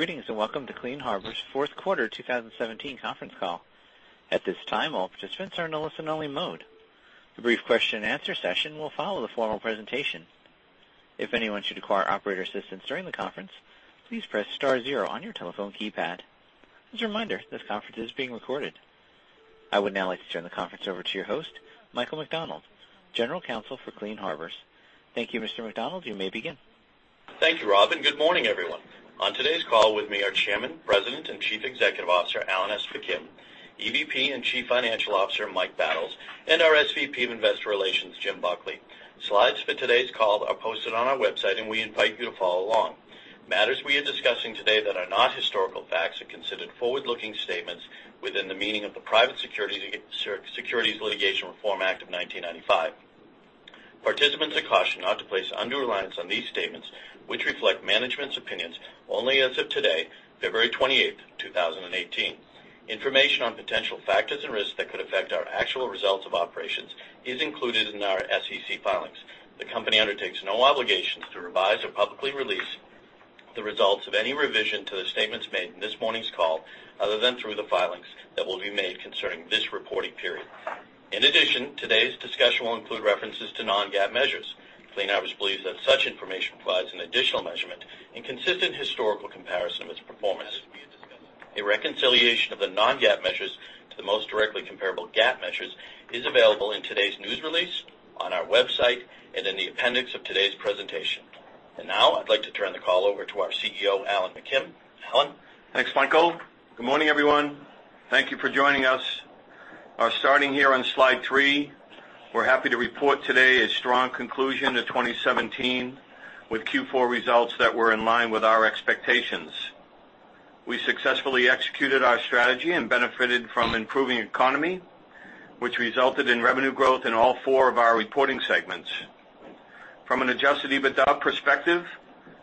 Greetings and welcome to Clean Harbors fourth quarter 2017 conference call. At this time, all participants are in a listen-only mode. The brief question-and-answer session will follow the formal presentation. If anyone should require operator assistance during the conference, please press star zero on your telephone keypad. As a reminder, this conference is being recorded. I would now like to turn the conference over to your host, Michael McDonald, General Counsel for Clean Harbors. Thank you, Mr. McDonald. You may begin. Thank you, Rob, and good morning, everyone. On today's call with me are Chairman, President, and Chief Executive Officer Alan S. McKim, EVP and Chief Financial Officer Mike Battles, and our SVP of Investor Relations, Jim Buckley. Slides for today's call are posted on our website, and we invite you to follow along. Matters we are discussing today that are not historical facts are considered forward-looking statements within the meaning of the Private Securities Litigation Reform Act of 1995. Participants are cautioned not to place undue reliance on these statements, which reflect management's opinions only as of today, February 28, 2018. Information on potential factors and risks that could affect our actual results of operations is included in our SEC filings. The company undertakes no obligations to revise or publicly release the results of any revision to the statements made in this morning's call other than through the filings that will be made concerning this reporting period. In addition, today's discussion will include references to non-GAAP measures. Clean Harbors believes that such information provides an additional measurement and consistent historical comparison of its performance. A reconciliation of the non-GAAP measures to the most directly comparable GAAP measures is available in today's news release, on our website, and in the appendix of today's presentation. Now, I'd like to turn the call over to our CEO, Alan McKim. Alan. Thanks, Michael. Good morning, everyone. Thank you for joining us. Starting here on slide three, we're happy to report today a strong conclusion to 2017 with Q4 results that were in line with our expectations. We successfully executed our strategy and benefited from improving economy, which resulted in revenue growth in all four of our reporting segments. From an Adjusted EBITDA perspective,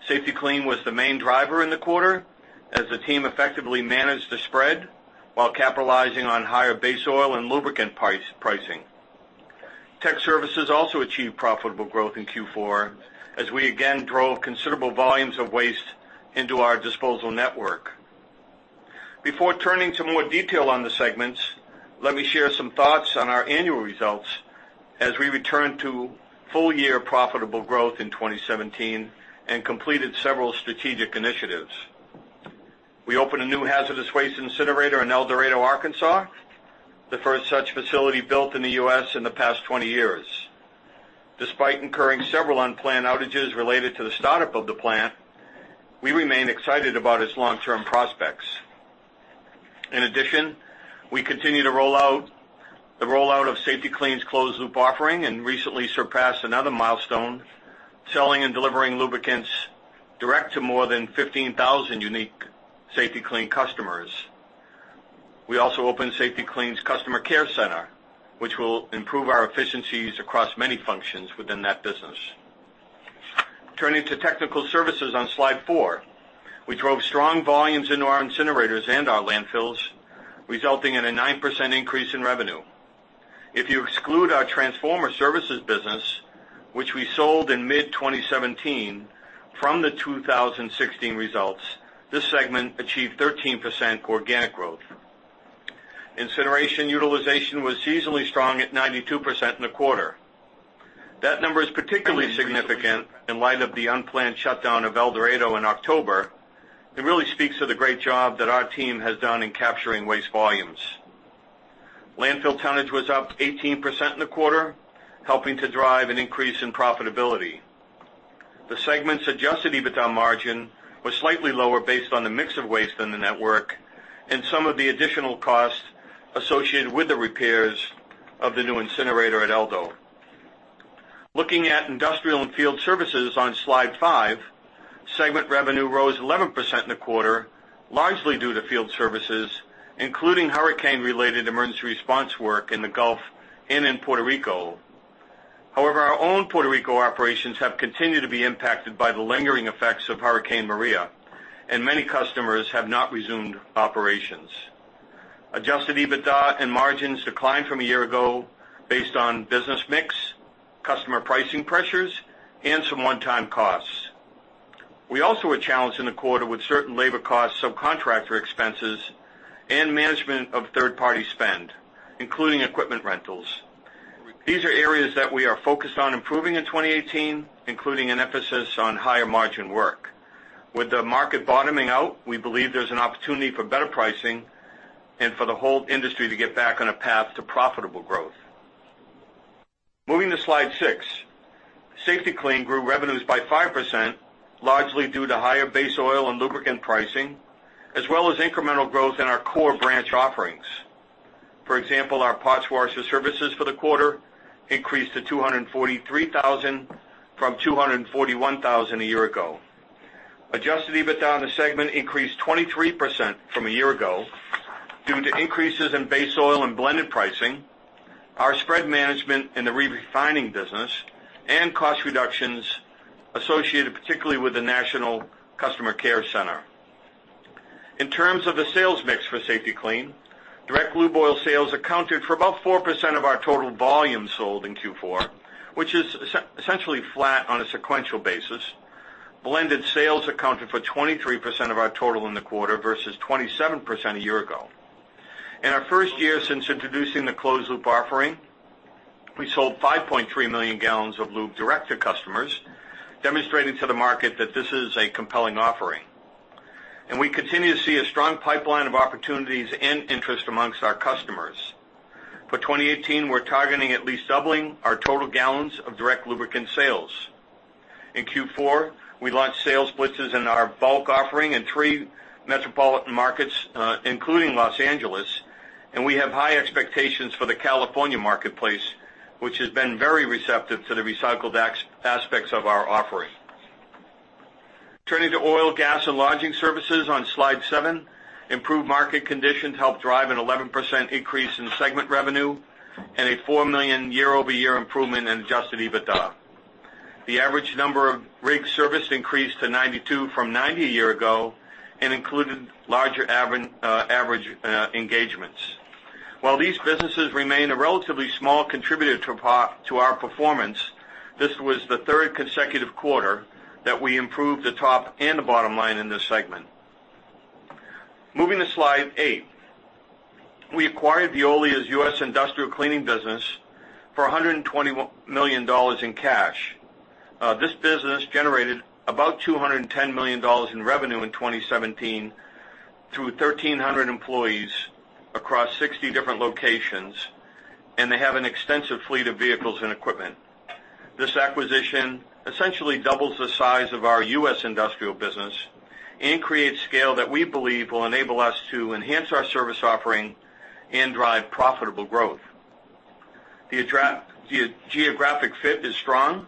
Safety-Kleen was the main driver in the quarter as the team effectively managed the spread while capitalizing on higher base oil and lubricant pricing. Tech services also achieved profitable growth in Q4 as we again drove considerable volumes of waste into our disposal network. Before turning to more detail on the segments, let me share some thoughts on our annual results as we returned to full-year profitable growth in 2017 and completed several strategic initiatives. We opened a new hazardous waste incinerator in El Dorado, Arkansas, the first such facility built in the U.S. in the past 20 years. Despite incurring several unplanned outages related to the startup of the plant, we remain excited about its long-term prospects. In addition, we continue to roll out the rollout of Safety-Kleen's closed-loop offering and recently surpassed another milestone, selling and delivering lubricants direct to more than 15,000 unique Safety-Kleen customers. We also opened Safety-Kleen's customer care center, which will improve our efficiencies across many functions within that business. Turning to technical services on slide four, we drove strong volumes into our incinerators and our landfills, resulting in a 9% increase in revenue. If you exclude our transformer services business, which we sold in mid-2017 from the 2016 results, this segment achieved 13% organic growth. Incineration utilization was seasonally strong at 92% in the quarter. That number is particularly significant in light of the unplanned shutdown of El Dorado in October and really speaks to the great job that our team has done in capturing waste volumes. Landfill tonnage was up 18% in the quarter, helping to drive an increase in profitability. The segment's Adjusted EBITDA margin was slightly lower based on the mix of waste in the network and some of the additional costs associated with the repairs of the new incinerator at Eldo. Looking at industrial and field services on slide five, segment revenue rose 11% in the quarter, largely due to field services, including hurricane-related emergency response work in the Gulf and in Puerto Rico. However, our own Puerto Rico operations have continued to be impacted by the lingering effects of Hurricane Maria, and many customers have not resumed operations. Adjusted EBITDA and margins declined from a year ago based on business mix, customer pricing pressures, and some one-time costs. We also were challenged in the quarter with certain labor costs, subcontractor expenses, and management of third-party spend, including equipment rentals. These are areas that we are focused on improving in 2018, including an emphasis on higher margin work. With the market bottoming out, we believe there's an opportunity for better pricing and for the whole industry to get back on a path to profitable growth. Moving to Slide six, Safety-Kleen grew revenues by 5%, largely due to higher base oil and lubricant pricing, as well as incremental growth in our core branch offerings. For example, our parts washers services for the quarter increased to 243,000 from 241,000 a year ago. Adjusted EBITDA on the segment increased 23% from a year ago due to increases in base oil and blended pricing, our spread management in the refining business, and cost reductions associated particularly with the National Customer Care Center. In terms of the sales mix for Safety-Kleen, direct lube oil sales accounted for about 4% of our total volume sold in Q4, which is essentially flat on a sequential basis. Blended sales accounted for 23% of our total in the quarter versus 27% a year ago. In our first year since introducing the closed-loop offering, we sold 5.3 million gallons of lube direct to customers, demonstrating to the market that this is a compelling offering. We continue to see a strong pipeline of opportunities and interest among our customers. For 2018, we're targeting at least doubling our total gallons of direct lubricant sales. In Q4, we launched sales splits in our bulk offering in three metropolitan markets, including Los Angeles, and we have high expectations for the California marketplace, which has been very receptive to the recycled aspects of our offering. Turning to oil, gas, and lodging services on slide seven, improved market conditions helped drive an 11% increase in segment revenue and a $4 million year-over-year improvement in Adjusted EBITDA. The average number of rigs serviced increased to 92 from 90 a year ago and included larger average engagements. While these businesses remain a relatively small contributor to our performance, this was the third consecutive quarter that we improved the top and the bottom line in this segment. Moving to slide eight, we acquired Veolia's U.S. industrial cleaning business for $120 million in cash. This business generated about $210 million in revenue in 2017 through 1,300 employees across 60 different locations, and they have an extensive fleet of vehicles and equipment. This acquisition essentially doubles the size of our U.S. industrial business and creates scale that we believe will enable us to enhance our service offering and drive profitable growth. The geographic fit is strong,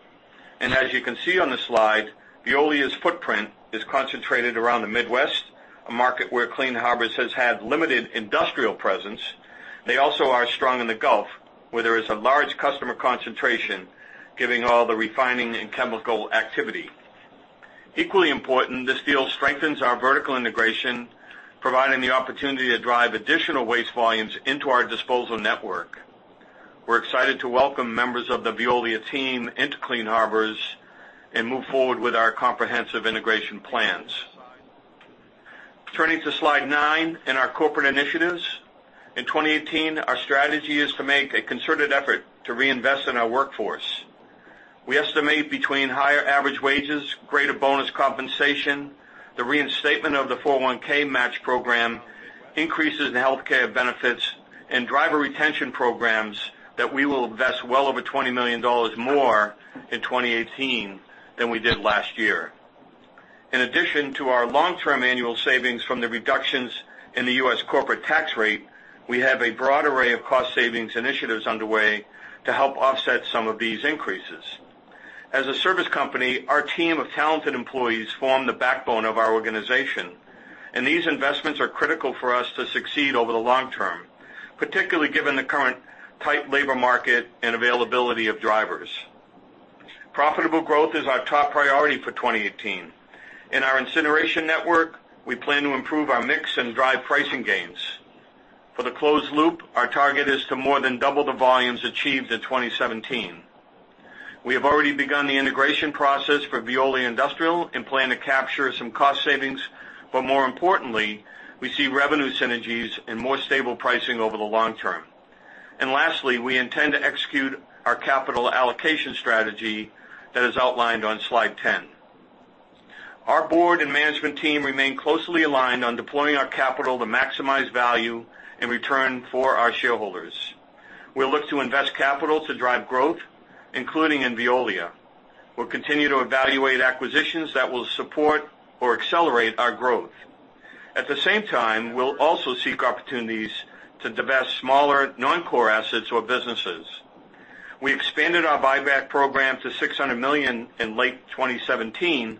and as you can see on the slide, Veolia's footprint is concentrated around the Midwest, a market where Clean Harbors has had limited industrial presence. They also are strong in the Gulf, where there is a large customer concentration giving all the refining and chemical activity. Equally important, this deal strengthens our vertical integration, providing the opportunity to drive additional waste volumes into our disposal network. We're excited to welcome members of the Veolia team into Clean Harbors and move forward with our comprehensive integration plans. Turning to slide nine and our corporate initiatives, in 2018, our strategy is to make a concerted effort to reinvest in our workforce. We estimate between higher average wages, greater bonus compensation, the reinstatement of the 401(k) match program, increases in healthcare benefits, and driver retention programs that we will invest well over $20 million more in 2018 than we did last year. In addition to our long-term annual savings from the reductions in the U.S. corporate tax rate, we have a broad array of cost savings initiatives underway to help offset some of these increases. As a service company, our team of talented employees form the backbone of our organization, and these investments are critical for us to succeed over the long term, particularly given the current tight labor market and availability of drivers. Profitable growth is our top priority for 2018. In our incineration network, we plan to improve our mix and drive pricing gains. For the closed loop, our target is to more than double the volumes achieved in 2017. We have already begun the integration process for Veolia Industrial and plan to capture some cost savings, but more importantly, we see revenue synergies and more stable pricing over the long term. And lastly, we intend to execute our capital allocation strategy that is outlined on slide 10. Our board and management team remain closely aligned on deploying our capital to maximize value and return for our shareholders. We'll look to invest capital to drive growth, including in Veolia. We'll continue to evaluate acquisitions that will support or accelerate our growth. At the same time, we'll also seek opportunities to divest smaller non-core assets or businesses. We expanded our buyback program to $600 million in late 2017,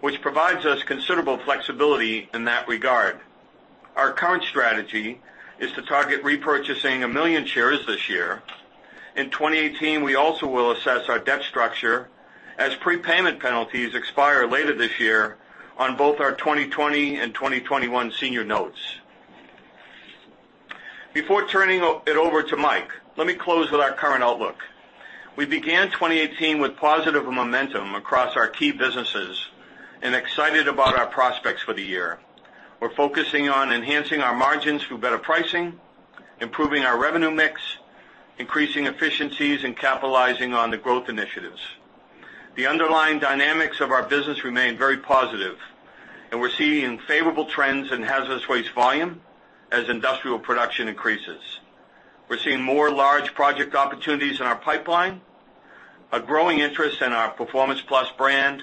which provides us considerable flexibility in that regard. Our current strategy is to target repurchasing 1 million shares this year. In 2018, we also will assess our debt structure as prepayment penalties expire later this year on both our 2020 and 2021 senior notes. Before turning it over to Mike, let me close with our current outlook. We began 2018 with positive momentum across our key businesses and excited about our prospects for the year. We're focusing on enhancing our margins through better pricing, improving our revenue mix, increasing efficiencies, and capitalizing on the growth initiatives. The underlying dynamics of our business remain very positive, and we're seeing favorable trends in hazardous waste volume as industrial production increases. We're seeing more large project opportunities in our pipeline, a growing interest in our Performance Plus brand,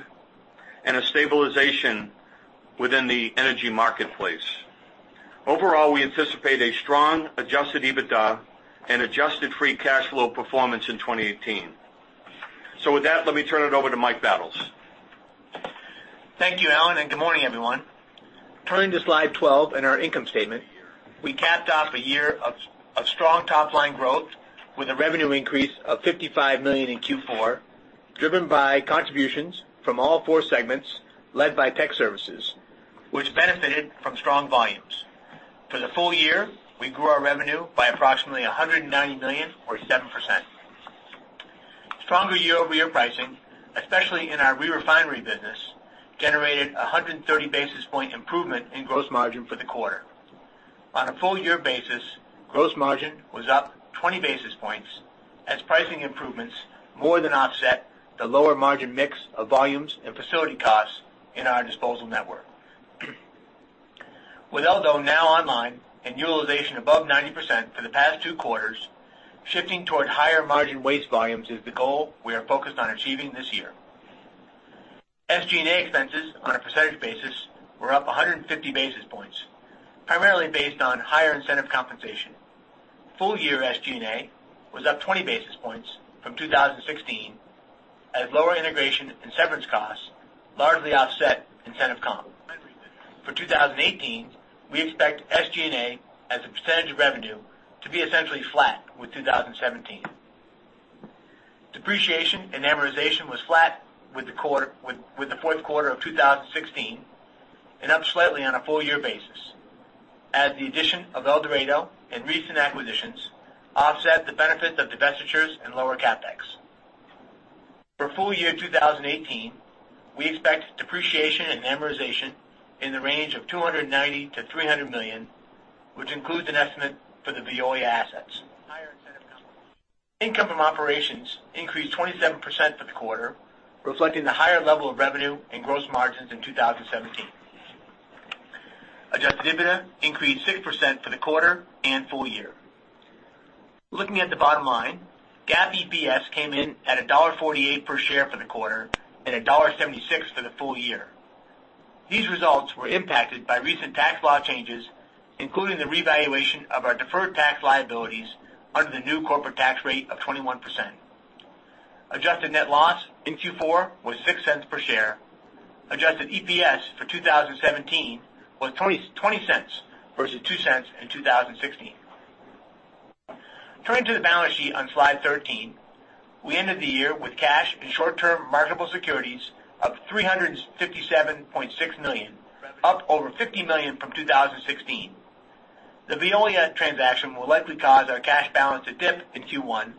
and a stabilization within the energy marketplace. Overall, we anticipate a strong Adjusted EBITDA and Adjusted free cash flow performance in 2018. With that, let me turn it over to Mike Battles. Thank you, Alan, and good morning, everyone. Turning to slide 12 in our income statement, we capped off a year of strong top-line growth with a revenue increase of $55 million in Q4, driven by contributions from all four segments led by tech services, which benefited from strong volumes. For the full year, we grew our revenue by approximately $190 million, or 7%. Stronger year-over-year pricing, especially in our refinery business, generated a 130 basis points improvement in gross margin for the quarter. On a full-year basis, gross margin was up 20 basis points as pricing improvements more than offset the lower margin mix of volumes and facility costs in our disposal network. With Eldo now online and utilization above 90% for the past two quarters, shifting toward higher margin waste volumes is the goal we are focused on achieving this year. SG&A expenses on a percentage basis were up 150 basis points, primarily based on higher incentive compensation. Full-year SG&A was up 20 basis points from 2016 as lower integration and severance costs largely offset incentive comp. For 2018, we expect SG&A as a percentage of revenue to be essentially flat with 2017. Depreciation and amortization was flat with the fourth quarter of 2016 and up slightly on a full-year basis as the addition of El Dorado and recent acquisitions offset the benefits of divestitures and lower CapEx. For full-year 2018, we expect depreciation and amortization in the range of $290 million-$300 million, which includes an estimate for the Veolia assets. Income from operations increased 27% for the quarter, reflecting the higher level of revenue and gross margins in 2017. Adjusted EBITDA increased 6% for the quarter and full year. Looking at the bottom line, GAAP EPS came in at $1.48 per share for the quarter and $1.76 for the full year. These results were impacted by recent tax law changes, including the revaluation of our deferred tax liabilities under the new corporate tax rate of 21%. Adjusted net loss in Q4 was $0.06 per share. Adjusted EPS for 2017 was $0.20 versus $0.02 in 2016. Turning to the balance sheet on slide 13, we ended the year with cash and short-term marketable securities of $357.6 million, up over $50 million from 2016. The Veolia transaction will likely cause our cash balance to dip in Q1,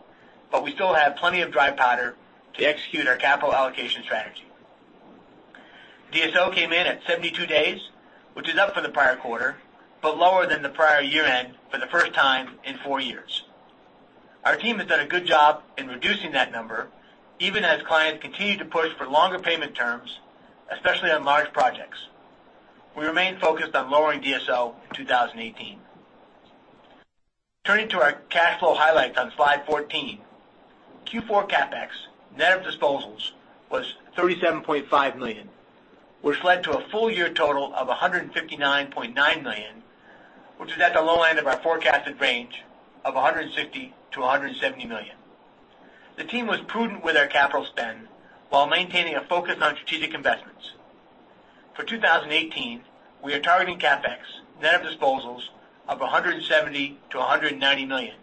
but we still have plenty of dry powder to execute our capital allocation strategy. DSO came in at 72 days, which is up from the prior quarter, but lower than the prior year-end for the first time in four years. Our team has done a good job in reducing that number, even as clients continue to push for longer payment terms, especially on large projects. We remain focused on lowering DSO in 2018. Turning to our cash flow highlights on slide 14, Q4 CapEx net of disposals was $37.5 million, which led to a full-year total of $159.9 million, which is at the low end of our forecasted range of $160 million-$170 million. The team was prudent with our capital spend while maintaining a focus on strategic investments. For 2018, we are targeting CapEx net of disposals of $170 million-$190 million,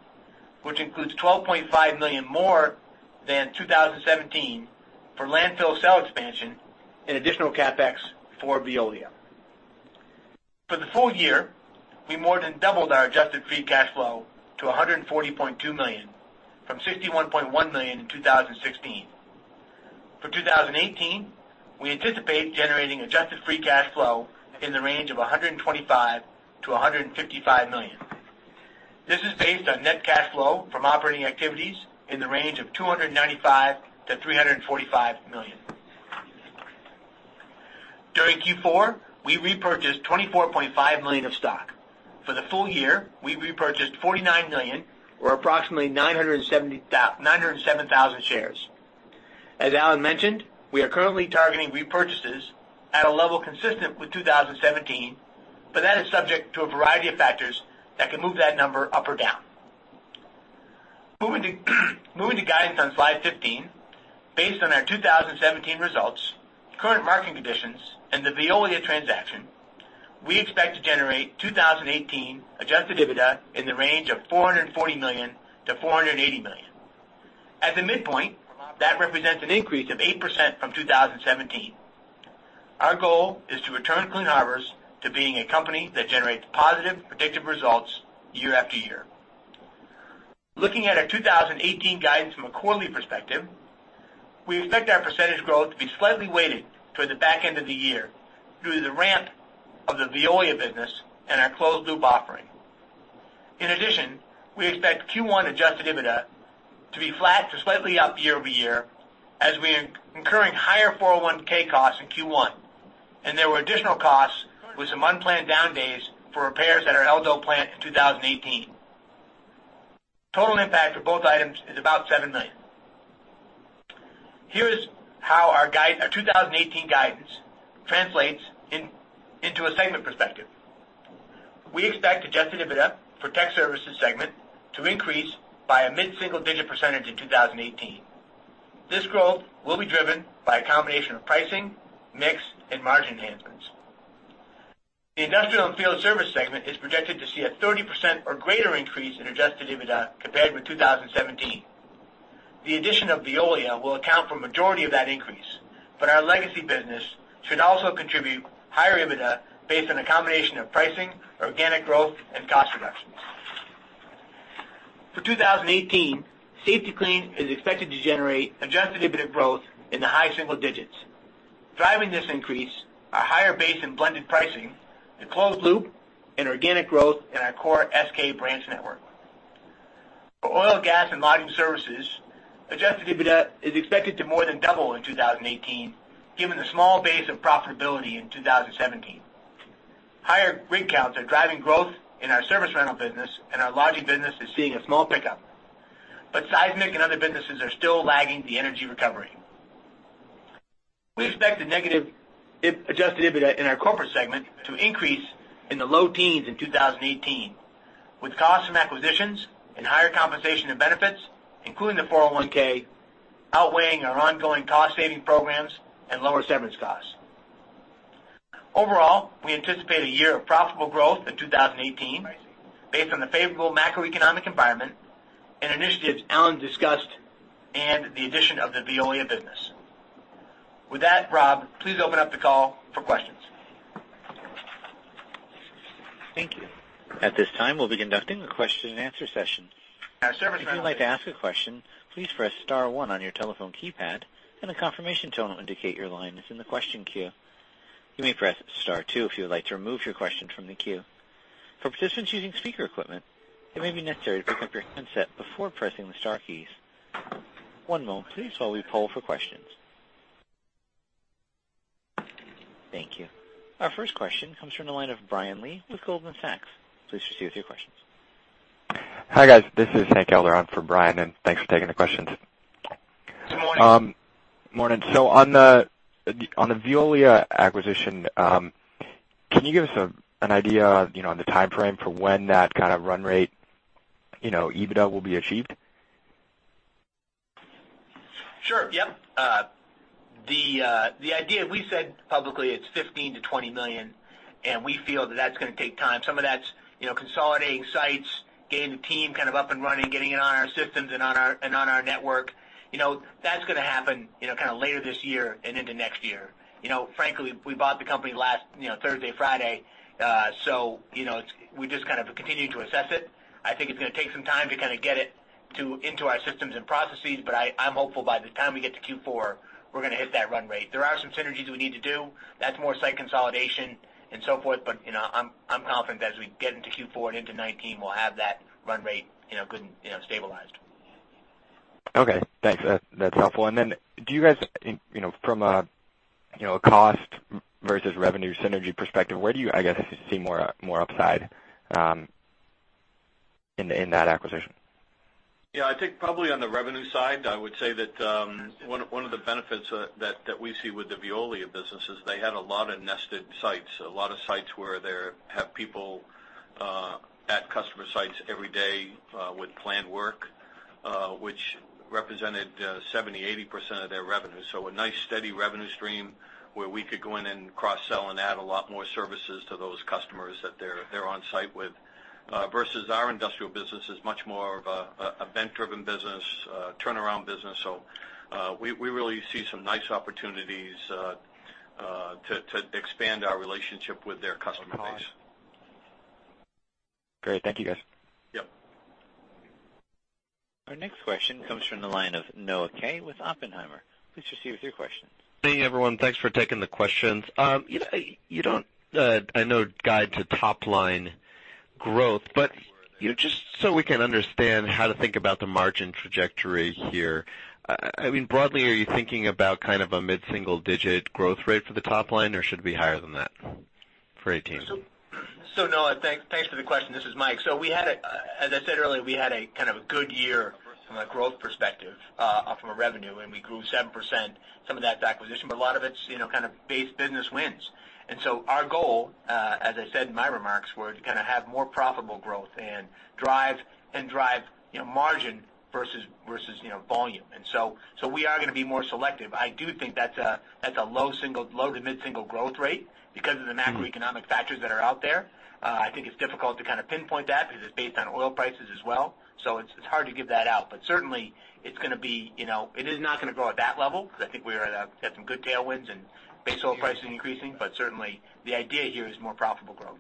which includes $12.5 million more than 2017 for landfill cell expansion and additional CapEx for Veolia. For the full year, we more than doubled our adjusted free cash flow to $140.2 million from $61.1 million in 2016. For 2018, we anticipate generating adjusted free cash flow in the range of $125 million-$155 million. This is based on net cash flow from operating activities in the range of $295 million-$345 million. During Q4, we repurchased $24.5 million of stock. For the full year, we repurchased $49 million, or approximately 907,000 shares. As Alan mentioned, we are currently targeting repurchases at a level consistent with 2017, but that is subject to a variety of factors that can move that number up or down. Moving to guidance on slide 15, based on our 2017 results, current market conditions, and the Veolia transaction, we expect to generate 2018 adjusted EBITDA in the range of $440 million-$480 million. At the midpoint, that represents an increase of 8% from 2017. Our goal is to return Clean Harbors to being a company that generates positive predictive results year after year. Looking at our 2018 guidance from a quarterly perspective, we expect our percentage growth to be slightly weighted toward the back end of the year due to the ramp of the Veolia business and our closed loop offering. In addition, we expect Q1 adjusted EBITDA to be flat to slightly up year-over-year as we are incurring higher 401(k) costs in Q1, and there were additional costs with some unplanned down days for repairs at our Eldo plant in 2018. Total impact for both items is about $7 million. Here is how our 2018 guidance translates into a segment perspective. We expect adjusted EBITDA for tech services segment to increase by a mid-single-digit percentage in 2018. This growth will be driven by a combination of pricing, mix, and margin enhancements. The industrial and field service segment is projected to see a 30% or greater increase in adjusted EBITDA compared with 2017. The addition of Veolia will account for the majority of that increase, but our legacy business should also contribute higher EBITDA based on a combination of pricing, organic growth, and cost reductions. For 2018, Safety-Kleen is expected to generate Adjusted EBITDA growth in the high single digits. Driving this increase are higher base and blended pricing, the closed-loop, and organic growth in our core SK branch network. For oil, gas, and lodging services, Adjusted EBITDA is expected to more than double in 2018, given the small base of profitability in 2017. Higher rig counts are driving growth in our service rental business, and our lodging business is seeing a small pickup, but seismic and other businesses are still lagging the energy recovery. We expect the negative Adjusted EBITDA in our corporate segment to increase in the low teens in 2018, with costs from acquisitions and higher compensation and benefits, including the 401(k), outweighing our ongoing cost-saving programs and lower severance costs. Overall, we anticipate a year of profitable growth in 2018 based on the favorable macroeconomic environment and initiatives Alan discussed and the addition of the Veolia business. With that, Rob, please open up the call for questions. Thank you. At this time, we'll be conducting a question-and-answer session. If you'd like to ask a question, please press star one on your telephone keypad, and a confirmation tone will indicate your line is in the question queue. You may press star two if you would like to remove your question from the queue. For participants using speaker equipment, it may be necessary to pick up your handset before pressing the star keys. One moment, please, while we poll for questions. Thank you. Our first question comes from the line of Brian Lee with Goldman Sachs. Please proceed with your questions. Hi guys, this is Hank Elder from Brian, and thanks for taking the questions. Good morning. Morning. On the Veolia acquisition, can you give us an idea on the time frame for when that kind of run rate EBITDA will be achieved? Sure. Yep. The idea we said publicly is $15 million-$20 million, and we feel that that's going to take time. Some of that's consolidating sites, getting the team kind of up and running, getting it on our systems and on our network. That's going to happen kind of later this year and into next year. Frankly, we bought the company last Thursday, Friday, so we just kind of continue to assess it. I think it's going to take some time to kind of get it into our systems and processes, but I'm hopeful by the time we get to Q4, we're going to hit that run rate. There are some synergies we need to do. That's more site consolidation and so forth, but I'm confident that as we get into Q4 and into 2019, we'll have that run rate stabilized. Okay. Thanks. That's helpful. And then do you guys, from a cost versus revenue synergy perspective, where do you, I guess, see more upside in that acquisition? Yeah. I think probably on the revenue side, I would say that one of the benefits that we see with the Veolia business is they had a lot of nested sites, a lot of sites where they have people at customer sites every day with planned work, which represented 70%-80% of their revenue. So a nice steady revenue stream where we could go in and cross-sell and add a lot more services to those customers that they're on site with versus our industrial business is much more of a vent-driven business, turnaround business. So we really see some nice opportunities to expand our relationship with their customer base. Great. Thank you, guys. Yep. Our next question comes from the line of Noah Kaye with Oppenheimer. Please proceed with your questions. Hey, everyone. Thanks for taking the questions. You don't, I know, guide to top-line growth, but just so we can understand how to think about the margin trajectory here. I mean, broadly, are you thinking about kind of a mid-single-digit growth rate for the top line, or should it be higher than that for 2018? So Noah, thanks for the question. This is Mike. So as I said earlier, we had a kind of a good year from a growth perspective from a revenue, and we grew 7%. Some of that's acquisition, but a lot of it's kind of base business wins. And so our goal, as I said in my remarks, was to kind of have more profitable growth and drive margin versus volume. And so we are going to be more selective. I do think that's a low to mid-single growth rate because of the macroeconomic factors that are out there. I think it's difficult to kind of pinpoint that because it's based on oil prices as well. So it's hard to give that out. But certainly, it is not going to grow at that level because I think we have some good tailwinds and base oil prices increasing, but certainly, the idea here is more profitable growth.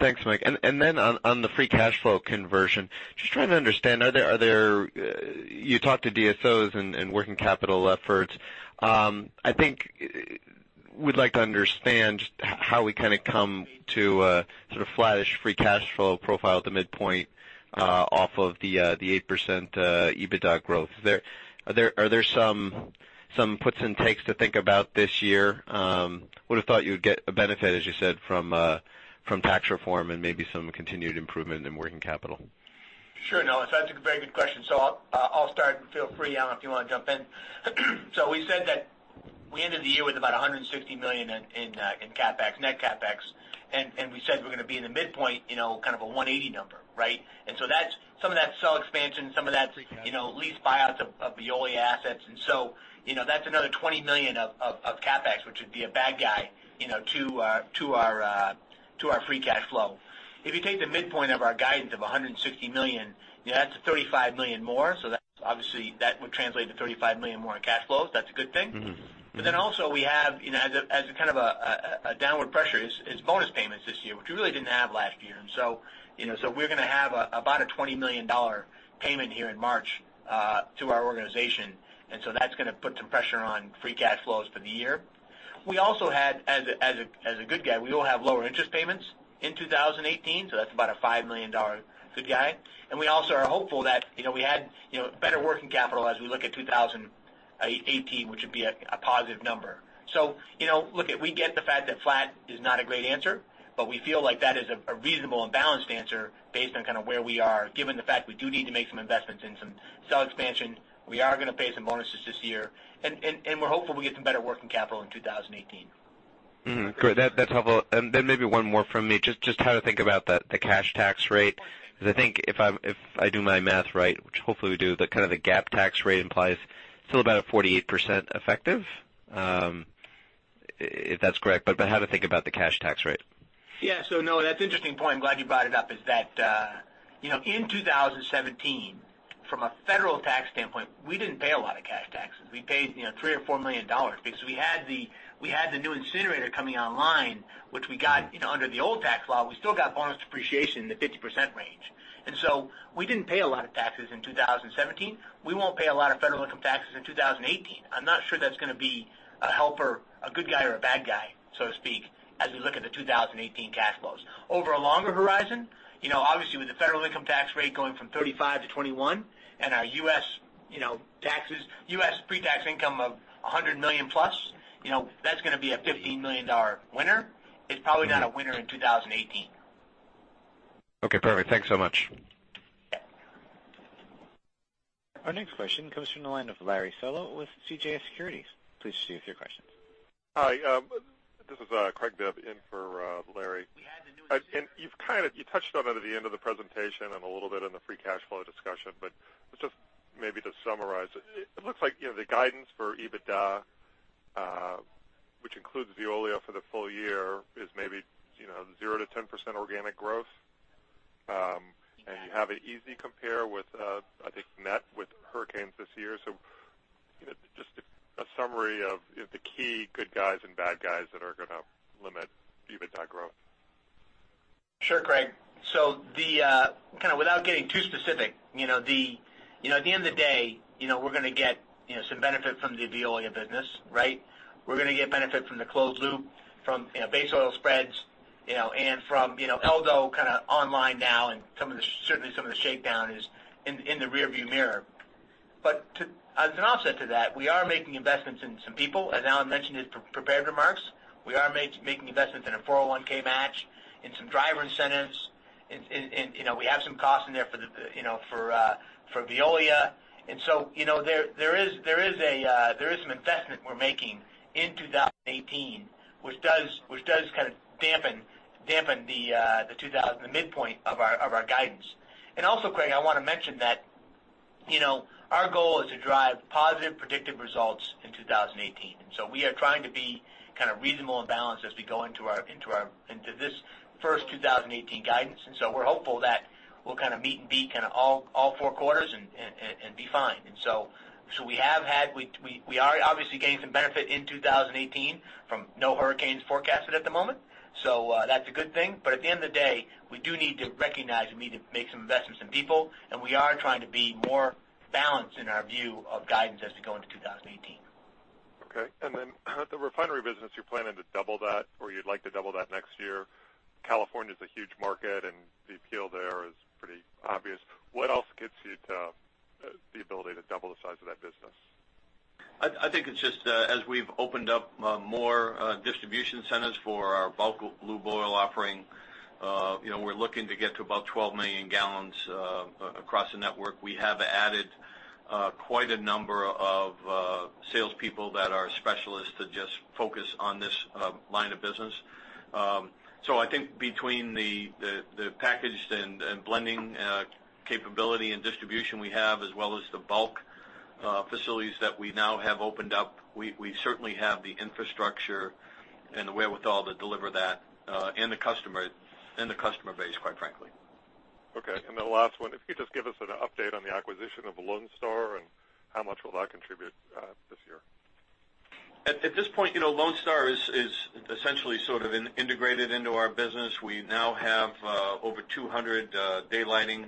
Thanks, Mike. And then on the free cash flow conversion, just trying to understand, you talked to DSOs and working capital efforts. I think we'd like to understand how we kind of come to a sort of flattish free cash flow profile at the midpoint off of the 8% EBITDA growth. Are there some puts and takes to think about this year? Would have thought you would get a benefit, as you said, from tax reform and maybe some continued improvement in working capital. Sure, Noah. So that's a very good question. So I'll start, and feel free, Alan, if you want to jump in. So we said that we ended the year with about $160 million in CapEx, net CapEx, and we said we're going to be in the midpoint, kind of a $180 million number, right? And so some of that's cell expansion, some of that's lease buyouts of Veolia assets. And so that's another $20 million of CapEx, which would be a bad guy to our free cash flow. If you take the midpoint of our guidance of $160 million, that's $35 million more. So obviously, that would translate to $35 million more in cash flows. That's a good thing. But then also, we have, as a kind of a downward pressure, is bonus payments this year, which we really didn't have last year. And so we're going to have about a $20 million payment here in March to our organization. And so that's going to put some pressure on free cash flows for the year. We also had, as a good thing, we will have lower interest payments in 2018. So that's about a $5 million good thing. And we also are hopeful that we had better working capital as we look at 2018, which would be a positive number. So look, we get the fact that flat is not a great answer, but we feel like that is a reasonable and balanced answer based on kind of where we are, given the fact we do need to make some investments in some sell expansion. We are going to pay some bonuses this year, and we're hopeful we get some better working capital in 2018. Great. That's helpful. And then maybe one more from me, just how to think about the cash tax rate. Because I think if I do my math right, which hopefully we do, that kind of the GAAP tax rate implies still about a 48% effective, if that's correct. But how to think about the cash tax rate? Yeah. So Noah, that's an interesting point. I'm glad you brought it up. Is that in 2017, from a federal tax standpoint, we didn't pay a lot of cash taxes. We paid $3-$4 million because we had the new incinerator coming online, which we got under the old tax law. We still got bonus depreciation in the 50% range. And so we didn't pay a lot of taxes in 2017. We won't pay a lot of federal income taxes in 2018. I'm not sure that's going to be a helper, a good guy or a bad guy, so to speak, as we look at the 2018 cash flows. Over a longer horizon, obviously, with the federal income tax rate going from 35%-21% and our U.S. taxes, U.S. pre-tax income of $100 million plus, that's going to be a $15 million winner. It's probably not a winner in 2018. Okay. Perfect. Thanks so much. Our next question comes from the line of Larry Solow with CJS Securities. Please proceed with your questions. Hi. This is Craig Bibb in for Larry. You've kind of touched on it at the end of the presentation and a little bit in the free cash flow discussion, but just maybe to summarize, it looks like the guidance for EBITDA, which includes Veolia for the full year, is maybe 0%-10% organic growth. You have an easy compare with, I think, net with hurricanes this year. So just a summary of the key good guys and bad guys that are going to limit EBITDA growth. Sure, Craig. So kind of without getting too specific, at the end of the day, we're going to get some benefit from the Veolia business, right? We're going to get benefit from the closed loop, from base oil spreads, and from Eldo kind of online now. And certainly, some of the shakedown is in the rearview mirror. But as an offset to that, we are making investments in some people, as Alan mentioned in prepared remarks. We are making investments in a 401(k) match, in some driver incentives. We have some costs in there for Veolia. And so there is some investment we're making in 2018, which does kind of dampen the midpoint of our guidance. And also, Craig, I want to mention that our goal is to drive positive predictive results in 2018. And so we are trying to be kind of reasonable and balanced as we go into this first 2018 guidance. And so we're hopeful that we'll kind of meet and beat kind of all four quarters and be fine. And so we have had we are obviously getting some benefit in 2018 from no hurricanes forecasted at the moment. So that's a good thing. But at the end of the day, we do need to recognize we need to make some investments in people, and we are trying to be more balanced in our view of guidance as we go into 2018. Okay. And then the refinery business, you're planning to double that or you'd like to double that next year. California is a huge market, and the appeal there is pretty obvious. What else gets you to the ability to double the size of that business? I think it's just as we've opened up more distribution centers for our bulk lube oil offering, we're looking to get to about 12 million gallons across the network. We have added quite a number of salespeople that are specialists to just focus on this line of business. So I think between the packaged and blending capability and distribution we have, as well as the bulk facilities that we now have opened up, we certainly have the infrastructure and the wherewithal to deliver that and the customer base, quite frankly. Okay. And the last one, if you could just give us an update on the acquisition of Lone Star and how much will that contribute this year? At this point, Lone Star is essentially sort of integrated into our business. We now have over 200 daylighting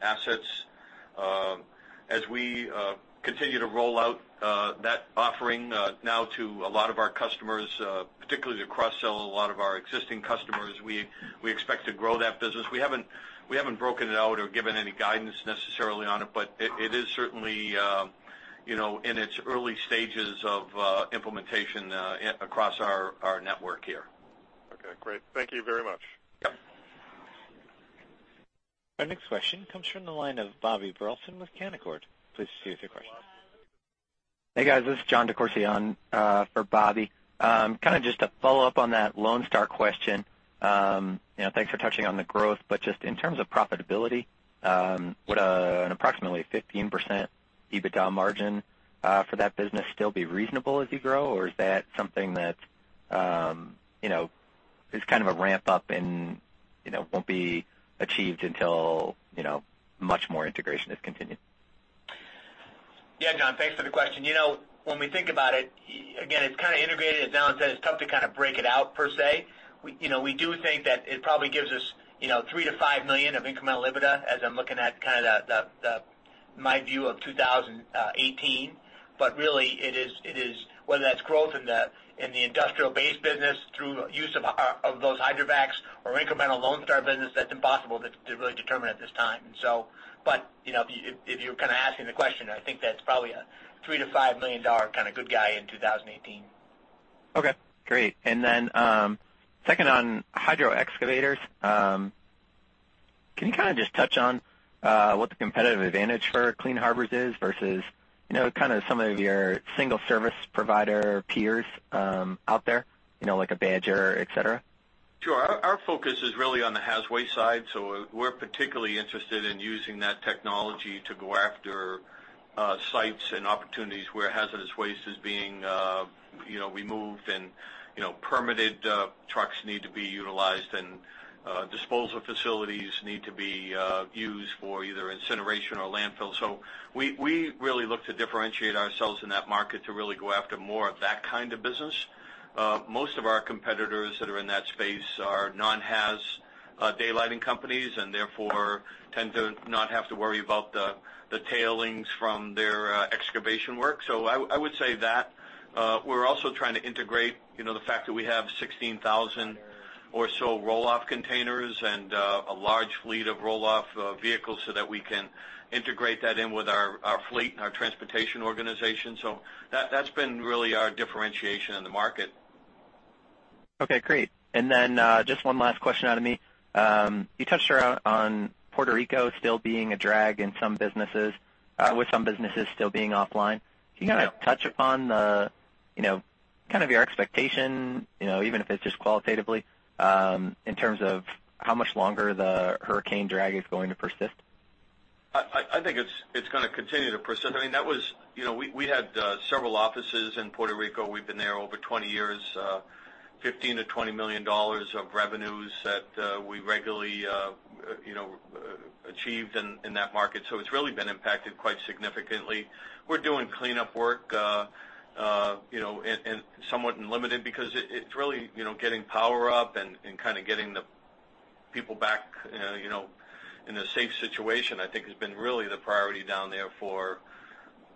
assets. As we continue to roll out that offering now to a lot of our customers, particularly to cross-sell a lot of our existing customers, we expect to grow that business. We haven't broken it out or given any guidance necessarily on it, but it is certainly in its early stages of implementation across our network here. Okay. Great. Thank you very much. Yep. Our next question comes from the line of Bobby Burleson with Canaccord. Please proceed with your question. Hey, guys. This is John Quealy on for Bobby. Kind of just to follow up on that Lone Star question, thanks for touching on the growth, but just in terms of profitability, would an approximately 15% EBITDA margin for that business still be reasonable as you grow, or is that something that is kind of a ramp-up and won't be achieved until much more integration has continued? Yeah, John, thanks for the question. When we think about it, again, it's kind of integrated. As Alan said, it's tough to kind of break it out per se. We do think that it probably gives us $3 million-$5 million of incremental EBITDA, as I'm looking at kind of my view of 2018. But really, whether that's growth in the industrial-based business through use of those hydrovacs or incremental Lone Star business, that's impossible to really determine at this time. But if you're kind of asking the question, I think that's probably a $3 million-$5 million kind of good guy in 2018. Okay. Great. And then second on hydro excavators, can you kind of just touch on what the competitive advantage for Clean Harbors is versus kind of some of your single-service provider peers out there, like a Badger, etc.? Sure. Our focus is really on the haz waste side. So we're particularly interested in using that technology to go after sites and opportunities where hazardous waste is being removed and permitted trucks need to be utilized and disposal facilities need to be used for either incineration or landfill. So we really look to differentiate ourselves in that market to really go after more of that kind of business. Most of our competitors that are in that space are non-haz daylighting companies and therefore tend to not have to worry about the tailings from their excavation work. So I would say that. We're also trying to integrate the fact that we have 16,000 or so roll-off containers and a large fleet of roll-off vehicles so that we can integrate that in with our fleet and our transportation organization. So that's been really our differentiation in the market. Okay. Great. And then just one last question, Alan. You touched on Puerto Rico still being a drag in some businesses, with some businesses still being offline. Can you kind of touch upon kind of your expectation, even if it's just qualitatively, in terms of how much longer the hurricane drag is going to persist? I think it's going to continue to persist. I mean, we had several offices in Puerto Rico. We've been there over 20 years, $15 million-$20 million of revenues that we regularly achieved in that market. So it's really been impacted quite significantly. We're doing cleanup work and somewhat unlimited because it's really getting power up and kind of getting the people back in a safe situation, I think, has been really the priority down there for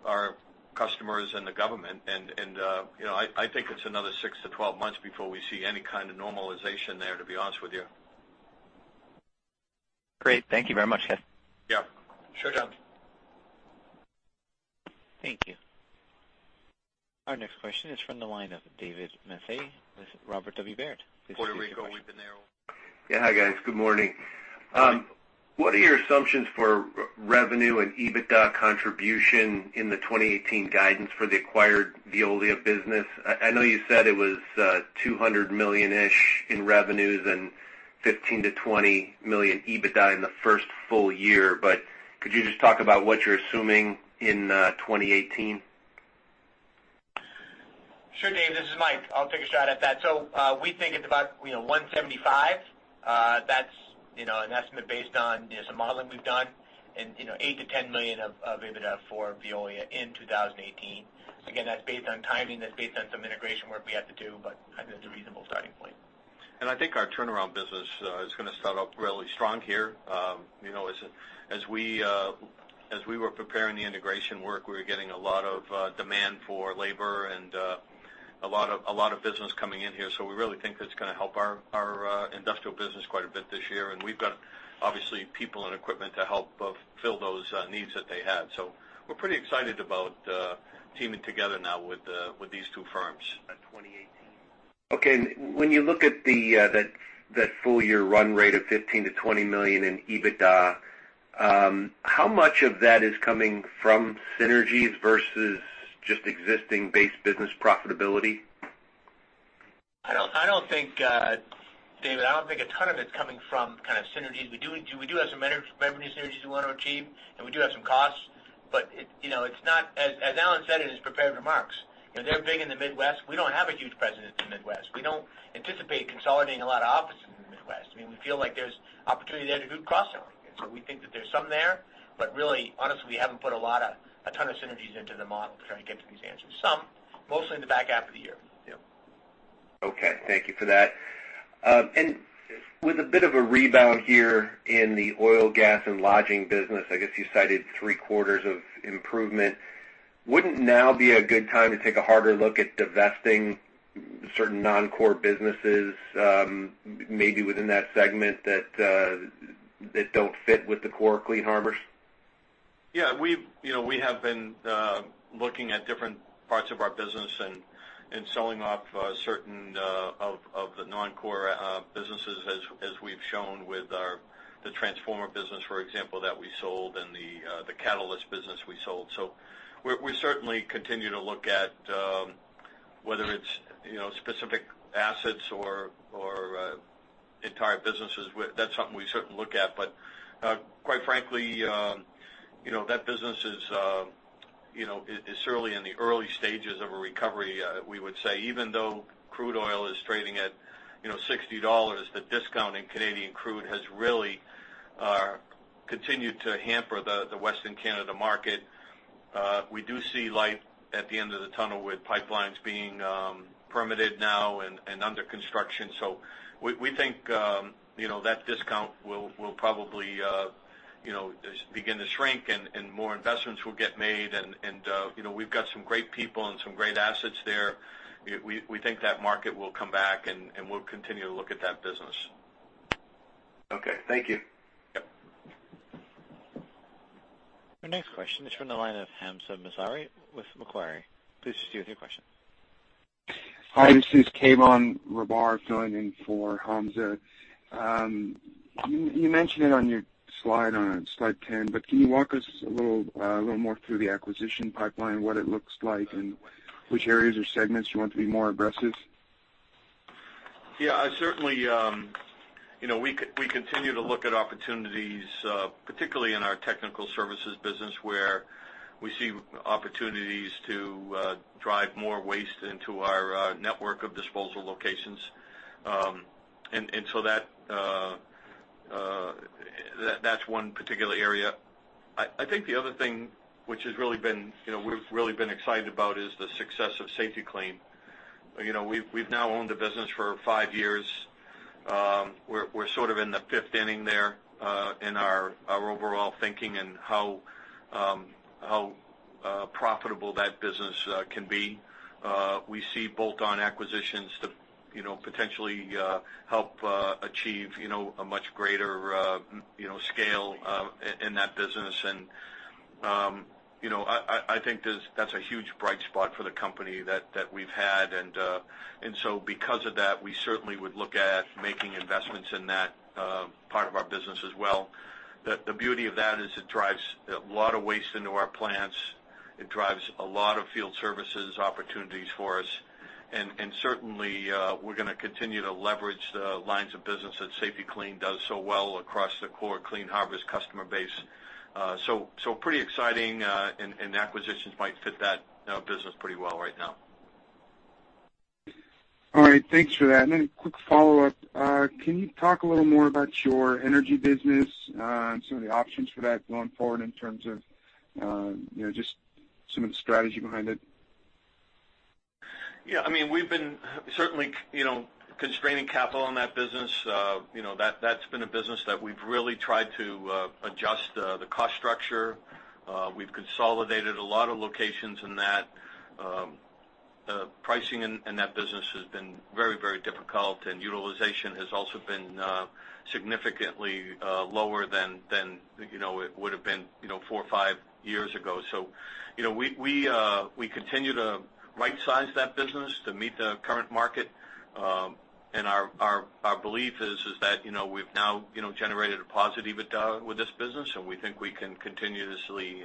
our customers and the government. I think it's another 6-12 months before we see any kind of normalization there, to be honest with you. Great. Thank you very much, guys. Yeah. Sure, John. Thank you. Our next question is from the line of David Manthey with Robert W. Baird. Please proceed. Puerto Rico, we've been there. Yeah, hi guys. Good morning. What are your assumptions for revenue and EBITDA contribution in the 2018 guidance for the acquired Veolia business? I know you said it was $200 million-ish in revenues and $15 million-$20 million EBITDA in the first full year, but could you just talk about what you're assuming in 2018? Sure, Dave. This is Mike. I'll take a shot at that. So we think it's about 175. That's an estimate based on some modeling we've done and $8 million-$10 million of EBITDA for Veolia in 2018. Again, that's based on timing. That's based on some integration work we have to do, but I think that's a reasonable starting point. And I think our turnaround business is going to start up really strong here. As we were preparing the integration work, we were getting a lot of demand for labor and a lot of business coming in here. So we really think that's going to help our industrial business quite a bit this year. And we've got, obviously, people and equipment to help fill those needs that they had. So we're pretty excited about teaming together now with these two firms. 2018. Okay. When you look at that full-year run rate of $15 million-$20 million in EBITDA, how much of that is coming from synergies versus just existing-based business profitability? I don't think, David, I don't think a ton of it's coming from kind of synergies. We do have some revenue synergies we want to achieve, and we do have some costs, but it's not, as Alan said in his prepared remarks, they're big in the Midwest. We don't have a huge presence in the Midwest. We don't anticipate consolidating a lot of offices in the Midwest. I mean, we feel like there's opportunity there to do cross-selling. So we think that there's some there, but really, honestly, we haven't put a ton of synergies into the model to try to get to these answers. Some, mostly in the back half of the year. Yeah. Okay. Thank you for that. And with a bit of a rebound here in the oil, gas, and lodging business, I guess you cited three-quarters of improvement. Wouldn't now be a good time to take a harder look at divesting certain non-core businesses, maybe within that segment, that don't fit with the core Clean Harbors? Yeah. We have been looking at different parts of our business and selling off certain of the non-core businesses, as we've shown with the transformer business, for example, that we sold, and the catalyst business we sold. So we certainly continue to look at whether it's specific assets or entire businesses. That's something we certainly look at. But quite frankly, that business is surely in the early stages of a recovery, we would say. Even though crude oil is trading at $60, the discount in Canadian crude has really continued to hamper the Western Canada market. We do see light at the end of the tunnel with pipelines being permitted now and under construction. So we think that discount will probably begin to shrink, and more investments will get made. And we've got some great people and some great assets there. We think that market will come back, and we'll continue to look at that business. Okay. Thank you. Yep. Our next question is from the line of Hamza Mazari with Macquarie. Please proceed with your question. Hi. This is Cameron Reber filling in for Hamza. You mentioned it on your slide on slide 10, but can you walk us a little more through the acquisition pipeline, what it looks like, and which areas or segments you want to be more aggressive? Yeah. Certainly, we continue to look at opportunities, particularly in our technical services business, where we see opportunities to drive more waste into our network of disposal locations. So that's one particular area. I think the other thing we've really been excited about is the success of Safety-Kleen. We've now owned the business for five years. We're sort of in the fifth inning there in our overall thinking and how profitable that business can be. We see bolt-on acquisitions to potentially help achieve a much greater scale in that business. And I think that's a huge bright spot for the company that we've had. So because of that, we certainly would look at making investments in that part of our business as well. The beauty of that is it drives a lot of waste into our plants. It drives a lot of field services opportunities for us. And certainly, we're going to continue to leverage the lines of business that Safety-Kleen does so well across the core Clean Harbors customer base. So pretty exciting, and acquisitions might fit that business pretty well right now. All right. Thanks for that. Then a quick follow-up. Can you talk a little more about your energy business and some of the options for that going forward in terms of just some of the strategy behind it? Yeah. I mean, we've been certainly constraining capital on that business. That's been a business that we've really tried to adjust the cost structure. We've consolidated a lot of locations in that. Pricing in that business has been very, very difficult, and utilization has also been significantly lower than it would have been four or five years ago. So we continue to right-size that business to meet the current market. And our belief is that we've now generated a positive with this business, and we think we can continuously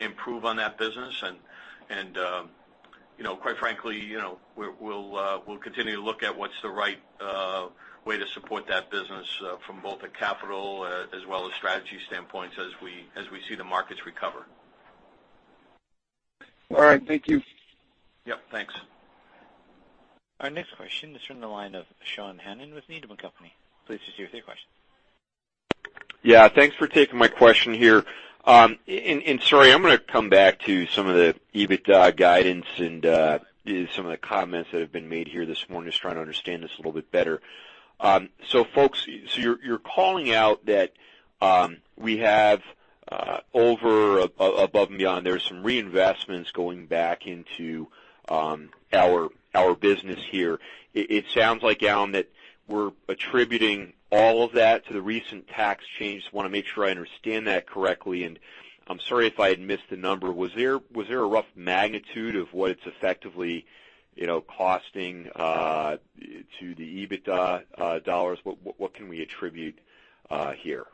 improve on that business. And quite frankly, we'll continue to look at what's the right way to support that business from both a capital as well as strategy standpoints as we see the markets recover. All right. Thank you. Yep. Thanks. Our next question is from the line of Sean Hannan with Needham & Company. Please proceed with your question. Yeah. Thanks for taking my question here. Sorry, I'm going to come back to some of the EBITDA guidance and some of the comments that have been made here this morning just trying to understand this a little bit better. So folks, you're calling out that we have over, above and beyond, there's some reinvestments going back into our business here. It sounds like, Alan, that we're attributing all of that to the recent tax changes. I want to make sure I understand that correctly. And I'm sorry if I had missed the number. Was there a rough magnitude of what it's effectively costing to the EBITDA dollars? What can we attribute here?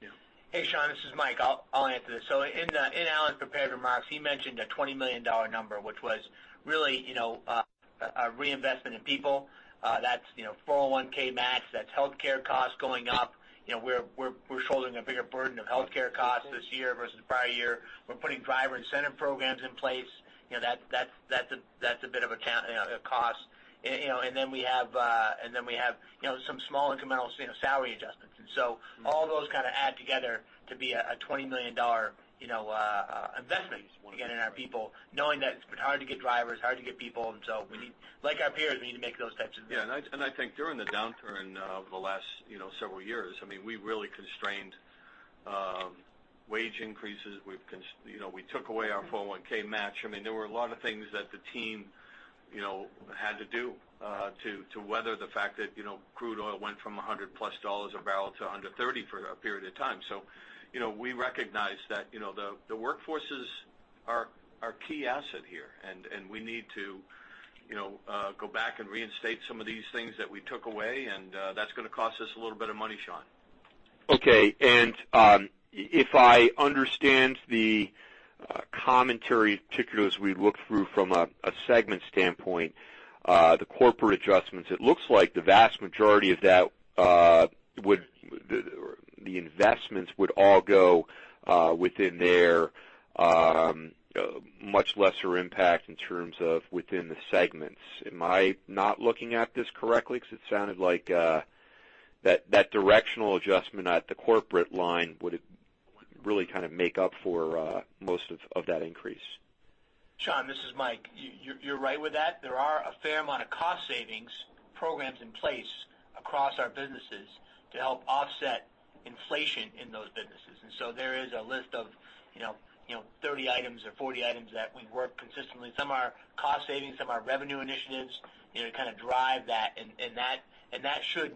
Yeah. Hey, Sean. This is Mike. I'll answer this. So in Alan's prepared remarks, he mentioned a $20 million number, which was really a reinvestment in people. That's 401(k) match. That's healthcare costs going up. We're shouldering a bigger burden of healthcare costs this year versus the prior year. We're putting driver incentive programs in place. That's a bit of a cost. And then we have some small incremental salary adjustments. And so all those kind of add together to be a $20 million investment to invest in our people, knowing that it's been hard to get drivers, hard to get people. And so we need, like our peers, we need to make those types of investments. Yeah. And I think during the downturn over the last several years, I mean, we really constrained wage increases. We took away our 401(k) match. I mean, there were a lot of things that the team had to do to weather the fact that crude oil went from $100+ a barrel to $130 a barrel for a period of time. So we recognize that the workforce is our key asset here, and we need to go back and reinstate some of these things that we took away, and that's going to cost us a little bit of money, Sean. Okay. And if I understand the commentary, particularly as we look through from a segment standpoint, the corporate adjustments, it looks like the vast majority of that would the investments would all go within their much lesser impact in terms of within the segments. Am I not looking at this correctly? Because it sounded like that directional adjustment at the corporate line would really kind of make up for most of that increase. Sean, this is Mike. You're right with that. There are a fair amount of cost savings programs in place across our businesses to help offset inflation in those businesses. And so there is a list of 30 items or 40 items that we work consistently. Some are cost savings, some are revenue initiatives to kind of drive that. And that should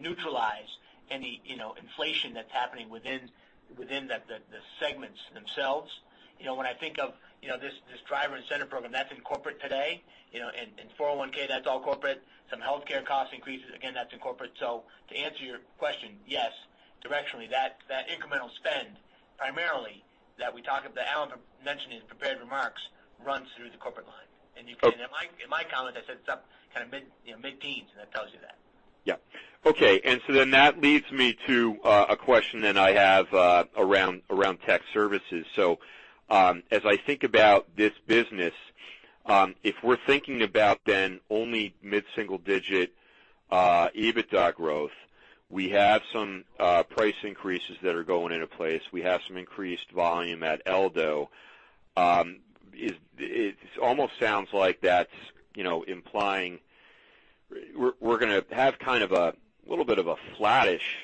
neutralize any inflation that's happening within the segments themselves. When I think of this driver incentive program, that's in corporate today. And 401(k), that's all corporate. Some healthcare cost increases, again, that's in corporate. So to answer your question, yes, directionally, that incremental spend primarily that we talk about that Alan mentioned in prepared remarks runs through the corporate line. And in my comments, I said it's up kind of mid-teens, and that tells you that. Yeah. Okay. And so then that leads me to a question that I have around tech services. So as I think about this business, if we're thinking about then only mid-single-digit EBITDA growth, we have some price increases that are going into place. We have some increased volume at Eldo. It almost sounds like that's implying we're going to have kind of a little bit of a flattish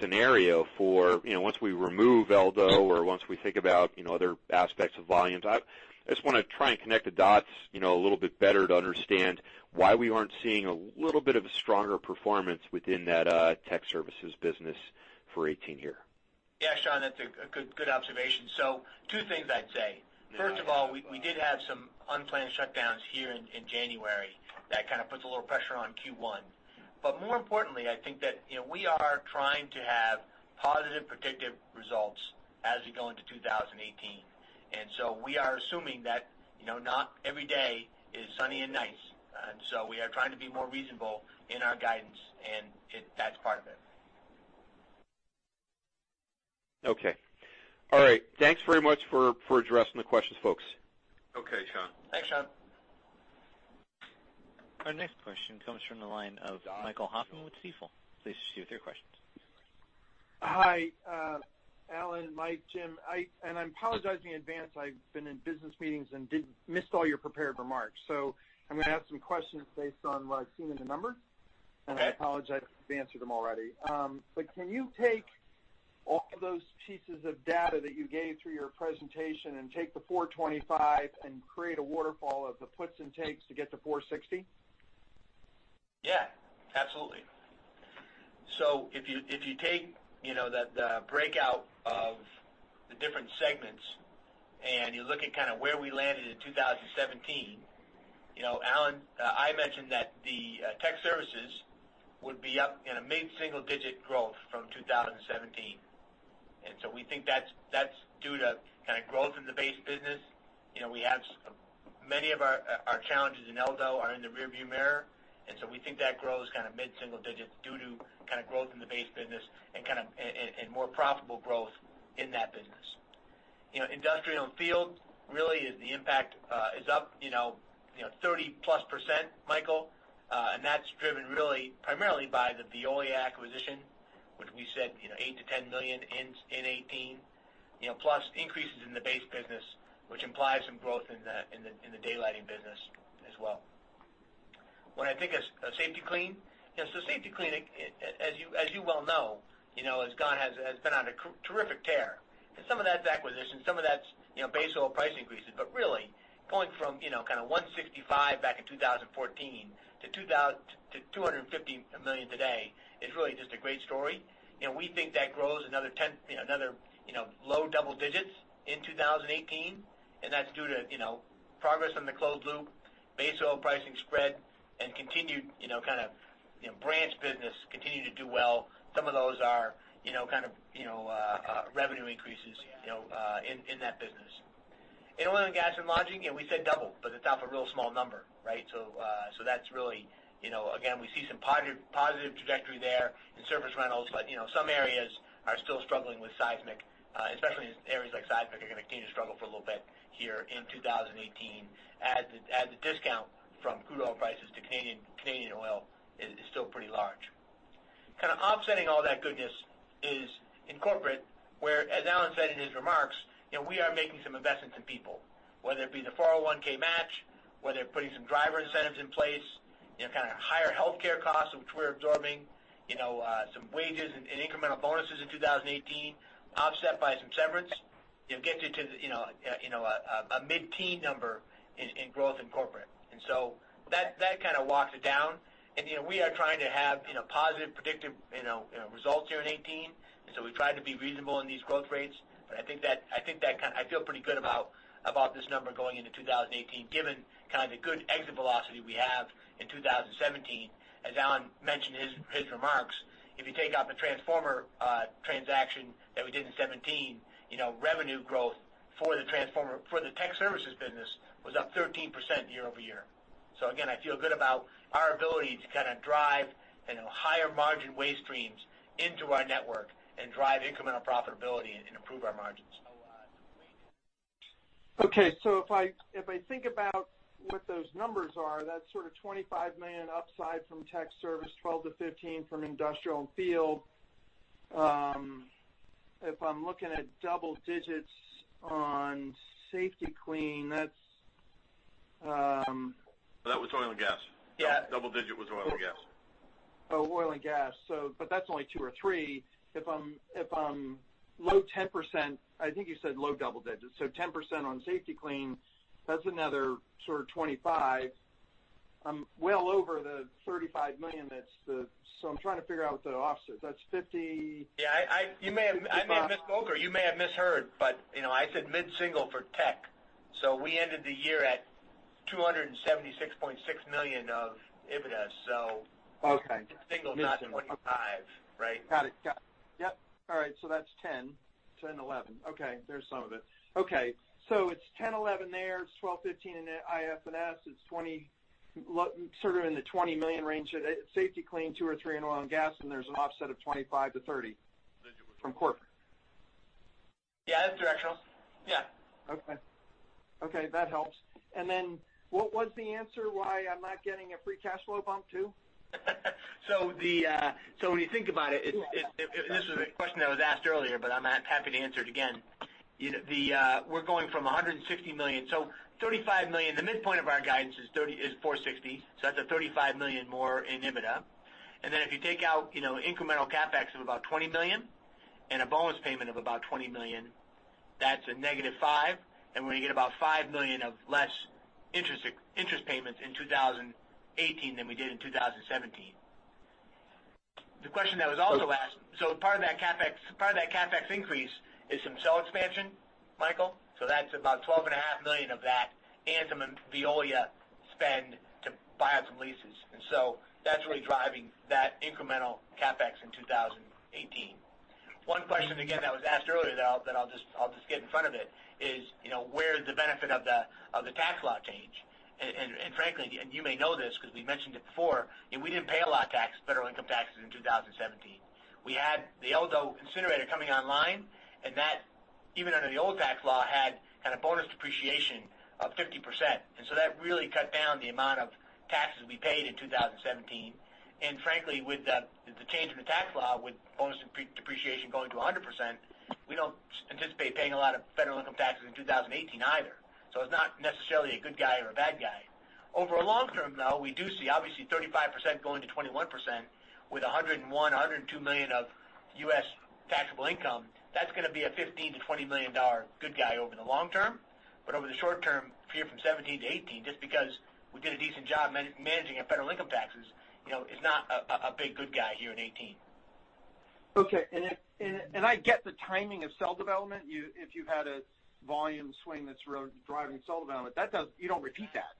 scenario for once we remove Eldo or once we think about other aspects of volumes. I just want to try and connect the dots a little bit better to understand why we aren't seeing a little bit of a stronger performance within that tech services business for 2018 here. Yeah, Sean, that's a good observation. So two things I'd say. First of all, we did have some unplanned shutdowns here in January that kind of put a little pressure on Q1. But more importantly, I think that we are trying to have positive predictive results as we go into 2018. And so we are assuming that not every day is sunny and nice. And so we are trying to be more reasonable in our guidance, and that's part of it. Okay. All right. Thanks very much for addressing the questions, folks. Okay, Sean. Thanks, Sean. Our next question comes from the line of Michael Hoffman with Stifel. Please proceed with your questions. Hi. Alan, Mike, Jim. I apologize in advance. I've been in business meetings and missed all your prepared remarks. I'm going to ask some questions based on what I've seen in the numbers. I apologize if I've answered them already. Can you take all those pieces of data that you gave through your presentation and take the $425 and create a waterfall of the puts and takes to get to $460? Yeah. Absolutely. So if you take the breakout of the different segments and you look at kind of where we landed in 2017, Alan, I mentioned that the tech services would be up in a mid-single-digit growth from 2017. And so we think that's due to kind of growth in the base business. We have many of our challenges in Eldo are in the rearview mirror. And so we think that growth is kind of mid-single digits due to kind of growth in the base business and more profitable growth in that business. Industrial and field really is the impact is up 30+%, Michael. And that's driven really primarily by the Veolia acquisition, which we said $8 million-$10 million in 2018, plus increases in the base business, which implies some growth in the daylighting business as well. When I think of Safety-Kleen, so Safety-Kleen, as you well know, has been on a terrific tear. And some of that's acquisition. Some of that's base oil price increases. But really, going from kind of $165 million back in 2014 to $250 million today is really just a great story. We think that grows another 10, another low double digits in 2018. And that's due to progress on the closed-loop, base oil pricing spread, and continued kind of branch business continuing to do well. Some of those are kind of revenue increases in that business. In oil and gas and lodging, we said double, but it's off a real small number, right? So that's really, again, we see some positive trajectory there in service rentals. But some areas are still struggling with seismic, especially in areas like seismic are going to continue to struggle for a little bit here in 2018. And the discount from crude oil prices to Canadian oil is still pretty large. Kind of offsetting all that goodness is in corporate, where, as Alan said in his remarks, we are making some investments in people, whether it be the 401(k) match, whether putting some driver incentives in place, kind of higher healthcare costs, which we're absorbing, some wages and incremental bonuses in 2018, offset by some severance, get you to a mid-teen number in growth in corporate. And so that kind of walks it down. And we are trying to have positive predictive results here in 2018. And so we tried to be reasonable in these growth rates. I think that kind of I feel pretty good about this number going into 2018, given kind of the good exit velocity we have in 2017. As Alan mentioned in his remarks, if you take out the transformer transaction that we did in 2017, revenue growth for the tech services business was up 13% year-over-year. Again, I feel good about our ability to kind of drive higher margin waste streams into our network and drive incremental profitability and improve our margins. Okay. So if I think about what those numbers are, that's sort of $25 million upside from tech service, $12 million-$15 million from industrial and field. If I'm looking at double digits on Safety-Kleen, that's. That was oil and gas. Double-digit was oil and gas. Oh, oil and gas. But that's only two or three. If I'm low 10%, I think you said low double digits. So 10% on Safety-Kleen, that's another sort of $25 million. I'm well over the $35 million that's the so I'm trying to figure out what the offset is. That's $50 million. Yeah. I may have misspoke, or you may have misheard, but I said mid-single for tech. So we ended the year at $276.6 million of EBITDA. So mid-single, not 25, right? Got it. Got it. Yep. All right. So that's $10, $10, $11. Okay. There's some of it. Okay. So it's $10, $11 there. It's $12, $15 in IFNS. It's sort of in the $20 million range. Safety-Kleen, two or three in oil and gas, and there's an offset of $25-$30 from corporate. Yeah. That's directional. Yeah. Okay. Okay. That helps. And then what was the answer? Why I'm not getting a free cash flow bump too? So when you think about it, and this was a question that was asked earlier, but I'm happy to answer it again. We're going from $160 million. So $35 million, the midpoint of our guidance is $460 million. So that's $35 million more in EBITDA. And then if you take out incremental CapEx of about $20 million and a bonus payment of about $20 million, that's a negative $5 million. And we're going to get about $5 million of less interest payments in 2018 than we did in 2017. The question that was also asked, so part of that CapEx increase is some cell expansion, Michael. So that's about $12.5 million of that Amchem and Veolia spend to buy out some leases. And so that's really driving that incremental CapEx in 2018. One question again that was asked earlier that I'll just get in front of it is where is the benefit of the tax law change? And frankly, and you may know this because we mentioned it before, we didn't pay a lot of federal income taxes in 2017. We had the Eldo incinerator coming online, and that even under the old tax law had kind of bonus depreciation of 50%. And so that really cut down the amount of taxes we paid in 2017. And frankly, with the change in the tax law, with bonus depreciation going to 100%, we don't anticipate paying a lot of federal income taxes in 2018 either. So it's not necessarily a good guy or a bad guy. Over a long term, though, we do see obviously 35%-21% with $101-$102 million of U.S. taxable income. That's going to be a $15-$20 million good guy over the long term. But over the short term, here from 2017-2018, just because we did a decent job managing our federal income taxes is not a big good guy here in 2018. Okay. And I get the timing of cell development. If you had a volume swing that's driving cell development, you don't repeat that.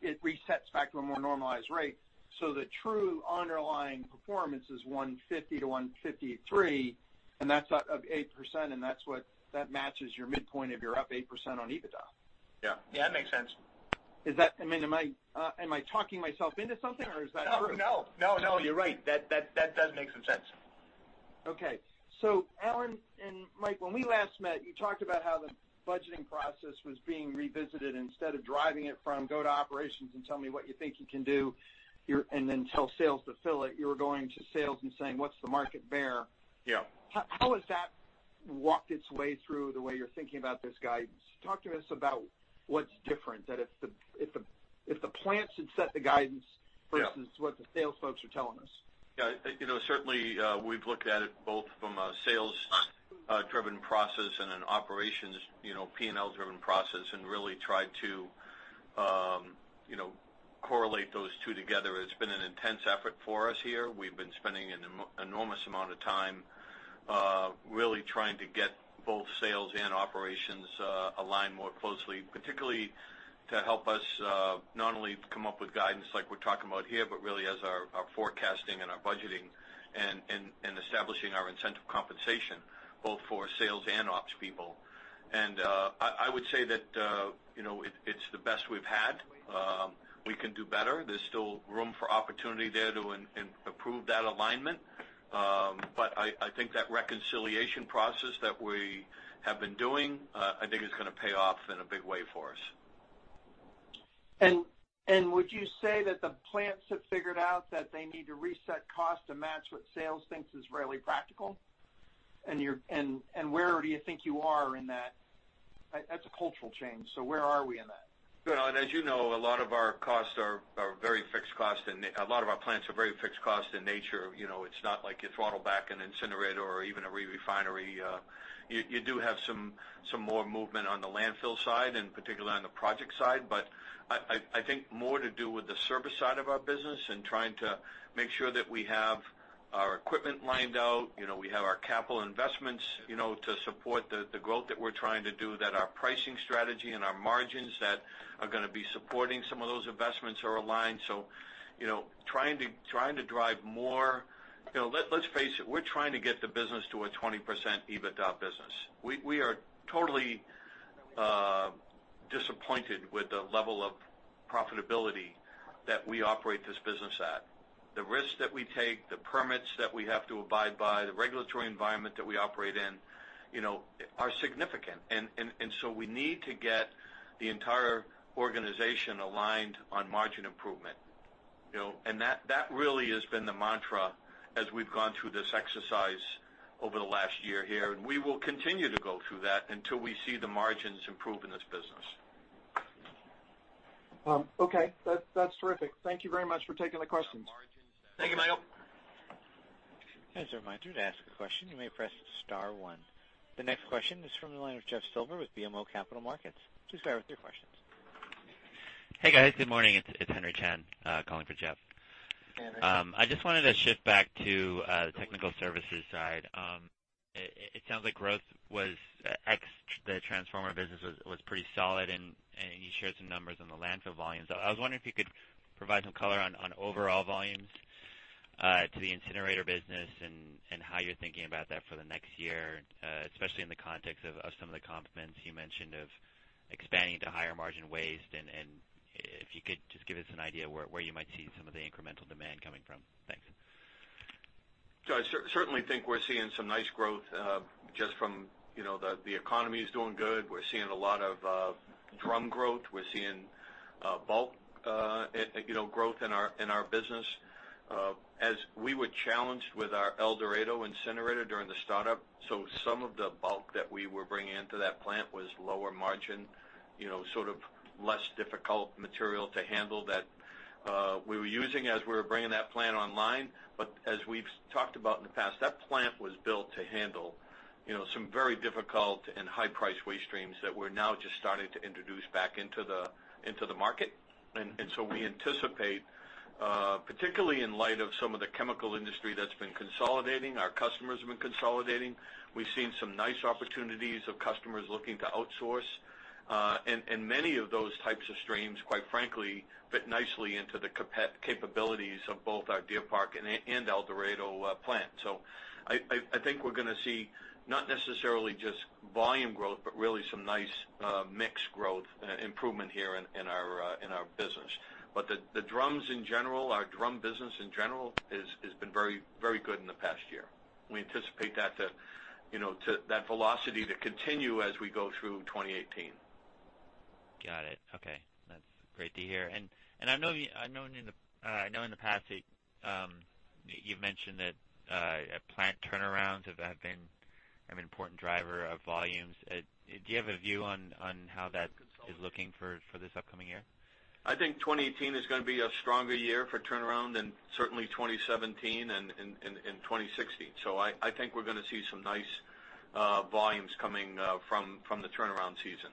It resets back to a more normalized rate. So the true underlying performance is 150-153, and that's up 8%, and that matches your midpoint if you're up 8% on EBITDA. Yeah. Yeah. That makes sense. I mean, am I talking myself into something, or is that true? No. No. No. You're right. That does make some sense. Okay. So Alan and Mike, when we last met, you talked about how the budgeting process was being revisited. Instead of driving it from, "Go to operations and tell me what you think you can do," and then tell sales to fill it, you were going to sales and saying, "What's the market bear?" How has that walked its way through the way you're thinking about this guidance? Talk to us about what's different. That if the plants had set the guidance versus what the sales folks are telling us? Yeah. Certainly, we've looked at it both from a sales-driven process and an operations P&L-driven process and really tried to correlate those two together. It's been an intense effort for us here. We've been spending an enormous amount of time really trying to get both sales and operations aligned more closely, particularly to help us not only come up with guidance like we're talking about here, but really as our forecasting and our budgeting and establishing our incentive compensation both for sales and ops people. And I would say that it's the best we've had. We can do better. There's still room for opportunity there to improve that alignment. But I think that reconciliation process that we have been doing, I think it's going to pay off in a big way for us. Would you say that the plants have figured out that they need to reset costs to match what sales thinks is really practical? Where do you think you are in that? That's a cultural change. Where are we in that? Well, as you know, a lot of our costs are very fixed costs, and a lot of our plants are very fixed costs in nature. It's not like you throttle back an incinerator or even a re-refinery. You do have some more movement on the landfill side and particularly on the project side. But I think more to do with the service side of our business and trying to make sure that we have our equipment lined out. We have our capital investments to support the growth that we're trying to do, that our pricing strategy and our margins that are going to be supporting some of those investments are aligned. So trying to drive more, let's face it, we're trying to get the business to a 20% EBITDA business. We are totally disappointed with the level of profitability that we operate this business at. The risks that we take, the permits that we have to abide by, the regulatory environment that we operate in are significant. And so we need to get the entire organization aligned on margin improvement. And that really has been the mantra as we've gone through this exercise over the last year here. And we will continue to go through that until we see the margins improve in this business. Okay. That's terrific. Thank you very much for taking the questions. Thank you, Michael. As a reminder to ask a question, you may press star one. The next question is from the line of Jeff Silber with BMO Capital Markets. Please fire with your questions. Hey, guys. Good morning. It's Henry Chien calling for Jeff. I just wanted to shift back to the technical services side. It sounds like growth was the transformer business was pretty solid, and you shared some numbers on the landfill volumes. I was wondering if you could provide some color on overall volumes to the incinerator business and how you're thinking about that for the next year, especially in the context of some of the complements you mentioned of expanding to higher margin waste. And if you could just give us an idea where you might see some of the incremental demand coming from. Thanks. I certainly think we're seeing some nice growth just from the economy is doing good. We're seeing a lot of drum growth. We're seeing bulk growth in our business. As we were challenged with our El Dorado incinerator during the startup, so some of the bulk that we were bringing into that plant was lower margin, sort of less difficult material to handle that we were using as we were bringing that plant online. But as we've talked about in the past, that plant was built to handle some very difficult and high-priced waste streams that we're now just starting to introduce back into the market. And so we anticipate, particularly in light of some of the chemical industry that's been consolidating, our customers have been consolidating. We've seen some nice opportunities of customers looking to outsource. Many of those types of streams, quite frankly, fit nicely into the capabilities of both our Deer Park and El Dorado plant. I think we're going to see not necessarily just volume growth, but really some nice mix growth improvement here in our business. The drums in general, our drum business in general, has been very good in the past year. We anticipate that velocity to continue as we go through 2018. Got it. Okay. That's great to hear. I know in the past you've mentioned that plant turnarounds have been an important driver of volumes. Do you have a view on how that is looking for this upcoming year? I think 2018 is going to be a stronger year for turnaround than certainly 2017 and 2016. So I think we're going to see some nice volumes coming from the turnaround season.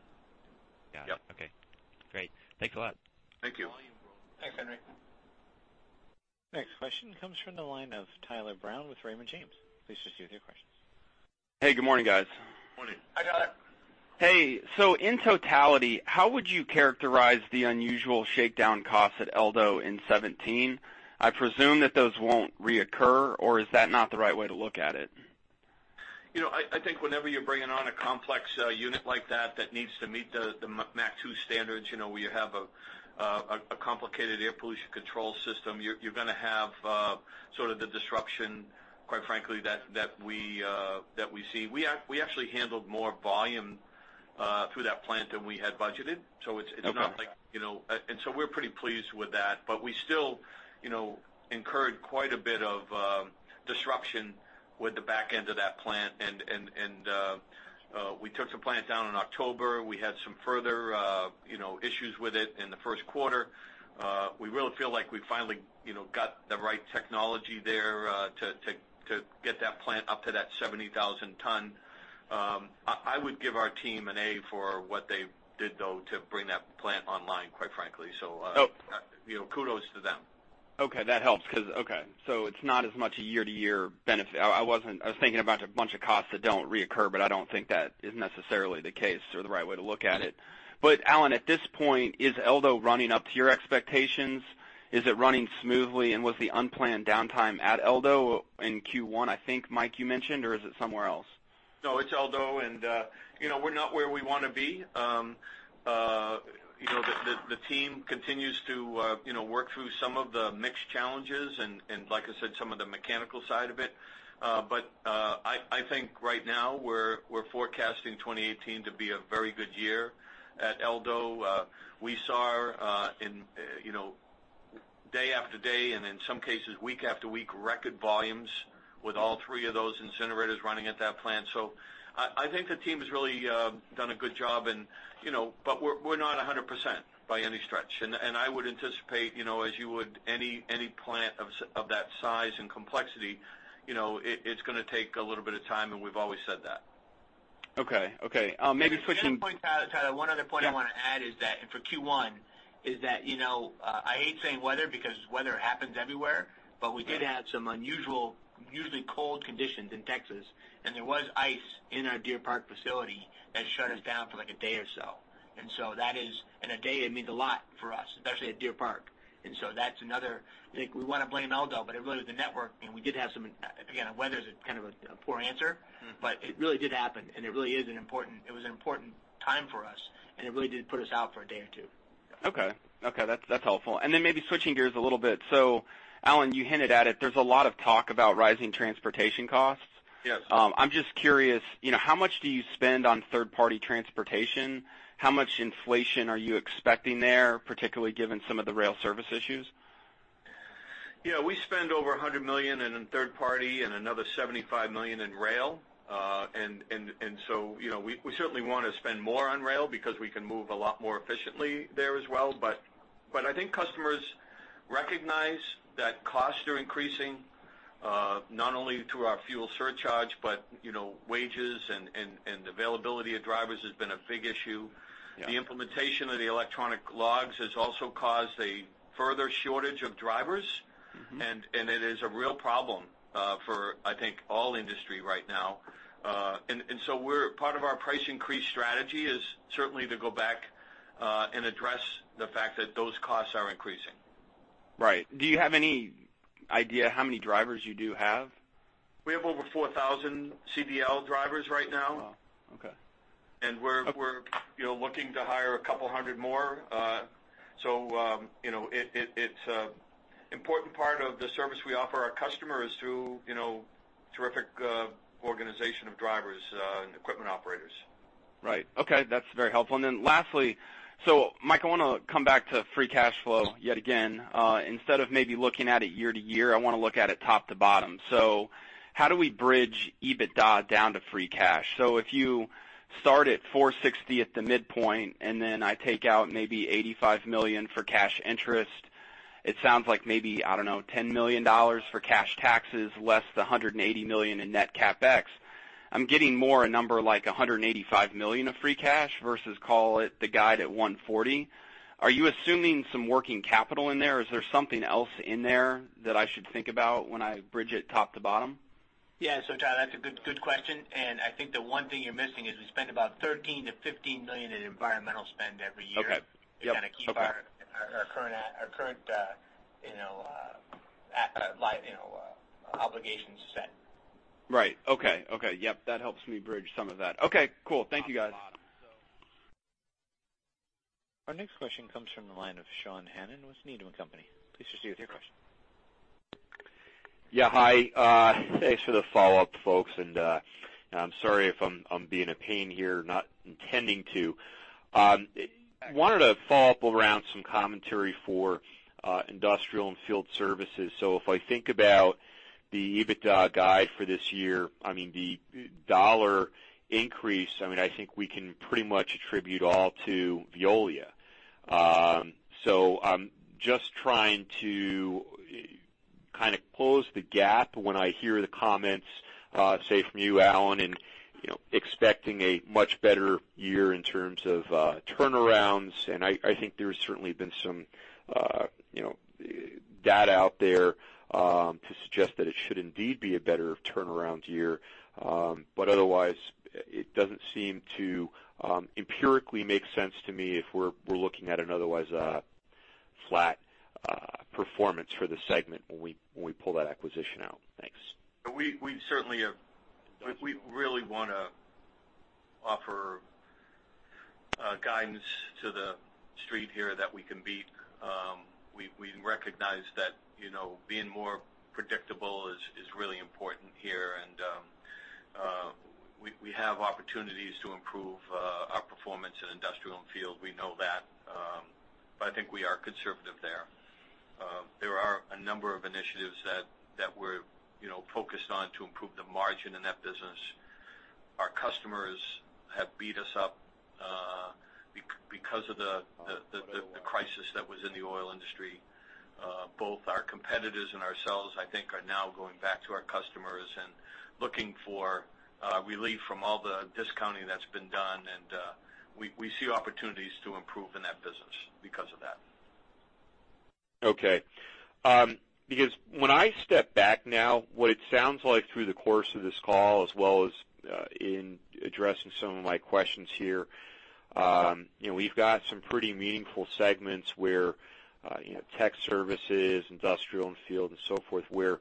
Got it. Okay. Great. Thanks a lot. Thank you. Thanks, Henry. Next question comes from the line of Tyler Brown with Raymond James. Please proceed with your questions. Hey, good morning, guys. Morning. I got it. Hey. So in totality, how would you characterize the unusual shakedown costs at Eldo in 2017? I presume that those won't reoccur, or is that not the right way to look at it? I think whenever you're bringing on a complex unit like that that needs to meet the MACT standards, where you have a complicated air pollution control system, you're going to have sort of the disruption, quite frankly, that we see. We actually handled more volume through that plant than we had budgeted. So it's not like, and so we're pretty pleased with that. But we still incurred quite a bit of disruption with the back end of that plant. And we took the plant down in October. We had some further issues with it in the first quarter. We really feel like we finally got the right technology there to get that plant up to that 70,000-ton. I would give our team an A for what they did, though, to bring that plant online, quite frankly. So kudos to them. Okay. That helps because, okay. So it's not as much a year-to-year benefit. I was thinking about a bunch of costs that don't reoccur, but I don't think that is necessarily the case or the right way to look at it. But Alan, at this point, is Eldo running up to your expectations? Is it running smoothly? And was the unplanned downtime at Eldo in Q1, I think, Mike, you mentioned, or is it somewhere else? No, it's Eldo, and we're not where we want to be. The team continues to work through some of the mixed challenges and, like I said, some of the mechanical side of it. But I think right now we're forecasting 2018 to be a very good year at Eldo. We saw day after day and in some cases week after week record volumes with all three of those incinerators running at that plant. So I think the team has really done a good job, but we're not 100% by any stretch. And I would anticipate, as you would any plant of that size and complexity, it's going to take a little bit of time, and we've always said that. Okay. Okay. Maybe switching. One other point I want to add is that for Q1, is that I hate saying weather because weather happens everywhere, but we did have some unusual, usually cold conditions in Texas. And there was ice in our Deer Park facility that shut us down for like a day or so. And so that is, and a day means a lot for us, especially at Deer Park. And so that's another thing we want to blame Eldo, but it really was the network. And we did have some, again, weather is kind of a poor answer, but it really did happen. And it really is an important it was an important time for us, and it really did put us out for a day or two. Okay. Okay. That's helpful. And then maybe switching gears a little bit. So Alan, you hinted at it. There's a lot of talk about rising transportation costs. I'm just curious, how much do you spend on third-party transportation? How much inflation are you expecting there, particularly given some of the rail service issues? Yeah. We spend over $100 million in third-party and another $75 million in rail. And so we certainly want to spend more on rail because we can move a lot more efficiently there as well. But I think customers recognize that costs are increasing, not only to our fuel surcharge, but wages and availability of drivers has been a big issue. The implementation of the electronic logs has also caused a further shortage of drivers, and it is a real problem for, I think, all industry right now. And so part of our price increase strategy is certainly to go back and address the fact that those costs are increasing. Right. Do you have any idea how many drivers you do have? We have over 4,000 CDL drivers right now. We're looking to hire 200 more. It's an important part of the service we offer our customers through a terrific organization of drivers and equipment operators. Right. Okay. That's very helpful. Then lastly, so Mike, I want to come back to free cash flow yet again. Instead of maybe looking at it year-over-year, I want to look at it top to bottom. So how do we bridge EBITDA down to free cash? So if you start at $460 million at the midpoint, and then I take out maybe $85 million for cash interest, it sounds like maybe, I don't know, $10 million for cash taxes, less the $180 million in net CapEx. I'm getting more a number like $185 million of free cash versus, call it, the guide at $140 million. Are you assuming some working capital in there? Is there something else in there that I should think about when I bridge it top to bottom? Yeah. So Tyler, that's a good question. And I think the one thing you're missing is we spend about $13 million-$15 million in environmental spend every year to kind of keep our current obligations set. Right. Okay. Okay. Yep. That helps me bridge some of that. Okay. Cool. Thank you, guys. Our next question comes from the line of Sean Hannan with Needham & Company. Please proceed with your question. Yeah. Hi. Thanks for the follow-up, folks. I'm sorry if I'm being a pain here, not intending to. I wanted to follow up around some commentary for industrial and field services. So if I think about the EBITDA guide for this year, I mean, the dollar increase, I mean, I think we can pretty much attribute all to Veolia. So I'm just trying to kind of close the gap when I hear the comments, say, from you, Alan, and expecting a much better year in terms of turnarounds. I think there's certainly been some data out there to suggest that it should indeed be a better turnaround year. But otherwise, it doesn't seem to empirically make sense to me if we're looking at an otherwise flat performance for the segment when we pull that acquisition out. Thanks. We certainly have. We really want to offer guidance to the street here that we can beat. We recognize that being more predictable is really important here. We have opportunities to improve our performance in industrial and field. We know that. But I think we are conservative there. There are a number of initiatives that we're focused on to improve the margin in that business. Our customers have beat us up because of the crisis that was in the oil industry. Both our competitors and ourselves, I think, are now going back to our customers and looking for relief from all the discounting that's been done. We see opportunities to improve in that business because of that. Okay. Because when I step back now, what it sounds like through the course of this call, as well as in addressing some of my questions here, we've got some pretty meaningful segments where tech services, industrial and field, and so forth, where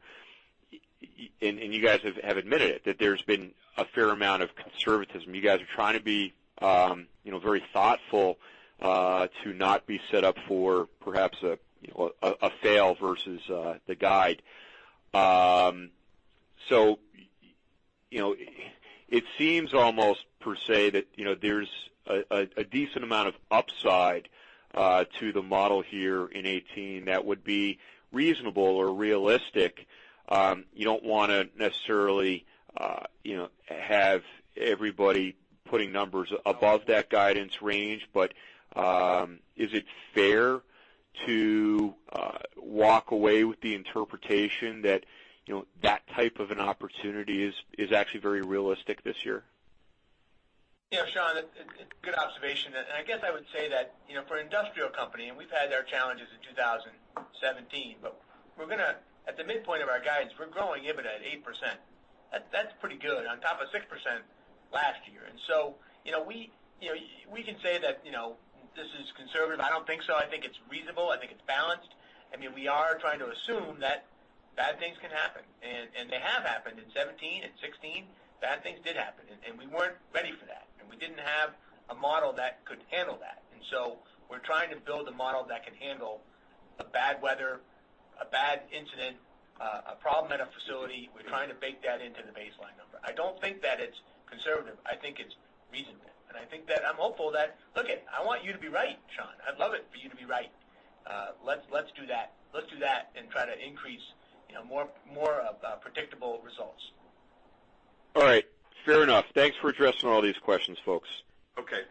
and you guys have admitted it that there's been a fair amount of conservatism. You guys are trying to be very thoughtful to not be set up for perhaps a fail versus the guide. So it seems almost per se that there's a decent amount of upside to the model here in 2018 that would be reasonable or realistic. You don't want to necessarily have everybody putting numbers above that guidance range. But is it fair to walk away with the interpretation that that type of an opportunity is actually very realistic this year? Yeah. Sean, good observation. And I guess I would say that for an industrial company, and we've had our challenges in 2017, but we're going to at the midpoint of our guidance, we're growing EBITDA at 8%. That's pretty good on top of 6% last year. And so we can say that this is conservative. I don't think so. I think it's reasonable. I think it's balanced. I mean, we are trying to assume that bad things can happen. And they have happened in 2017 and 2016. Bad things did happen. And we weren't ready for that. And we didn't have a model that could handle that. And so we're trying to build a model that can handle a bad weather, a bad incident, a problem at a facility. We're trying to bake that into the baseline number. I don't think that it's conservative. I think it's reasonable. I think that I'm hopeful that, look, I want you to be right, Sean. I'd love it for you to be right. Let's do that. Let's do that and try to increase more predictable results. All right. Fair enough. Thanks for addressing all these questions, folks. Okay.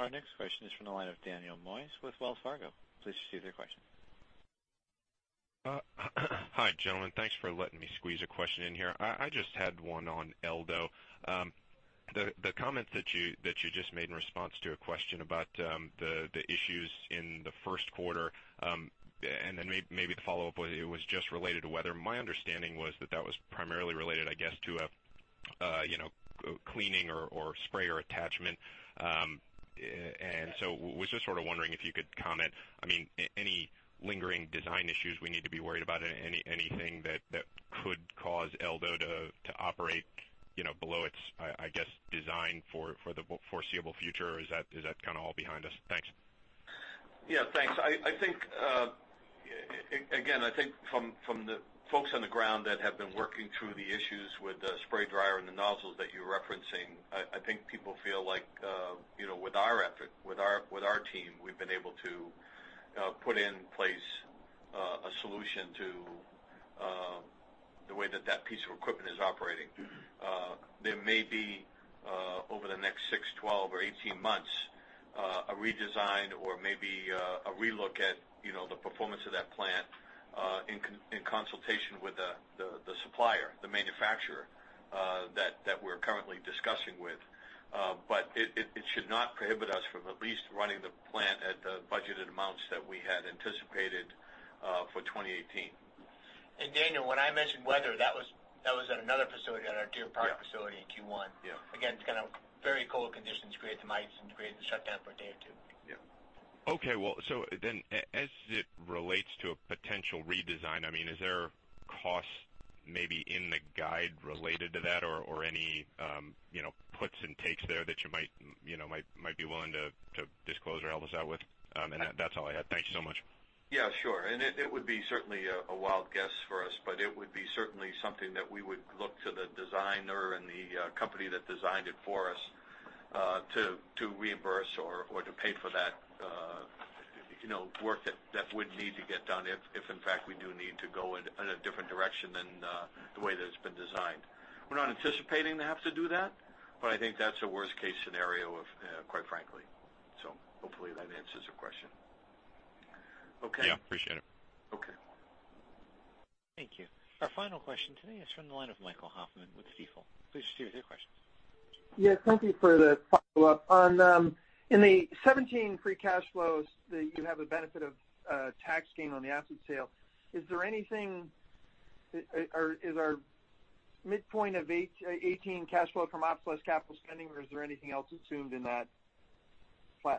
Our next question is from the line of Dan Mannes with Wells Fargo. Please proceed with your question. Hi, gentlemen. Thanks for letting me squeeze a question in here. I just had one on Eldo. The comments that you just made in response to a question about the issues in the first quarter, and then maybe the follow-up was it was just related to weather. My understanding was that that was primarily related, I guess, to a cleaning or sprayer attachment. And so I was just sort of wondering if you could comment, I mean, any lingering design issues we need to be worried about, anything that could cause Eldo to operate below its, I guess, design for the foreseeable future, or is that kind of all behind us? Thanks. Yeah. Thanks. I think, again, I think from the folks on the ground that have been working through the issues with the spray dryer and the nozzles that you're referencing, I think people feel like with our effort, with our team, we've been able to put in place a solution to the way that that piece of equipment is operating. There may be, over the next six, 12, or 18 months, a redesign or maybe a re-look at the performance of that plant in consultation with the supplier, the manufacturer that we're currently discussing with. But it should not prohibit us from at least running the plant at the budgeted amounts that we had anticipated for 2018. And, Daniel, when I mentioned weather, that was at another facility, at our Deer Park facility in Q1. Again, it's kind of very cold conditions create the ice and create the shutdown for a day or two. Yeah. Okay. Well, so then as it relates to a potential redesign, I mean, is there costs maybe in the guide related to that or any puts and takes there that you might be willing to disclose or help us out with? That's all I had. Thank you so much. Yeah. Sure. It would be certainly a wild guess for us, but it would be certainly something that we would look to the designer and the company that designed it for us to reimburse or to pay for that work that would need to get done if, in fact, we do need to go in a different direction than the way that it's been designed. We're not anticipating to have to do that, but I think that's a worst-case scenario, quite frankly. So hopefully that answers your question. Okay. Yeah. Appreciate it. Okay. Thank you. Our final question today is from the line of Michael Hoffman with Stifel. Please proceed with your questions. Yeah. Thank you for the follow-up. In the 2017 free cash flows that you have the benefit of tax gain on the asset sale, is there anything or is our midpoint of 2018 cash flow from ops less capital spending, or is there anything else assumed in that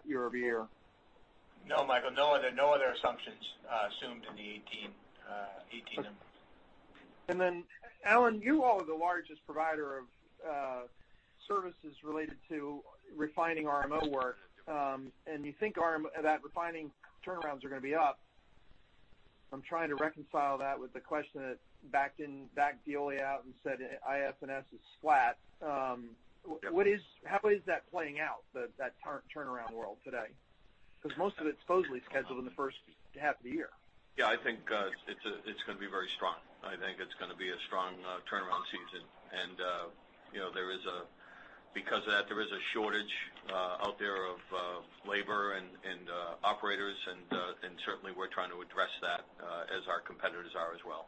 year-over-year? No, Michael. No other assumptions assumed in the 2018 number. Then, Alan, you are the largest provider of services related to refining R&M work. You think that refining turnarounds are going to be up. I'm trying to reconcile that with the question that backed Veolia out and said IFNS is flat. How is that playing out, that turnaround world today? Because most of it's supposedly scheduled in the first half of the year. Yeah. I think it's going to be very strong. I think it's going to be a strong turnaround season. And because of that, there is a shortage out there of labor and operators. And certainly, we're trying to address that as our competitors are as well.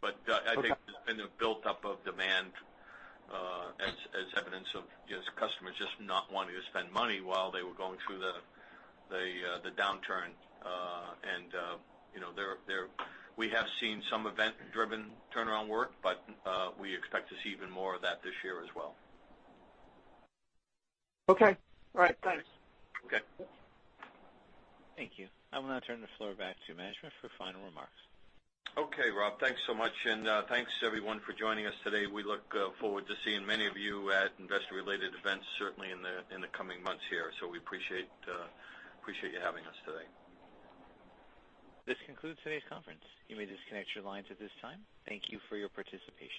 But I think there's been a build-up of demand as evidence of customers just not wanting to spend money while they were going through the downturn. And we have seen some event-driven turnaround work, but we expect to see even more of that this year as well. Okay. All right. Thanks. Okay. Thank you. I will now turn the floor back to management for final remarks. Okay, Rob. Thanks so much. Thanks, everyone, for joining us today. We look forward to seeing many of you at investor-related events, certainly in the coming months here. We appreciate you having us today. This concludes today's conference. You may disconnect your lines at this time. Thank you for your participation.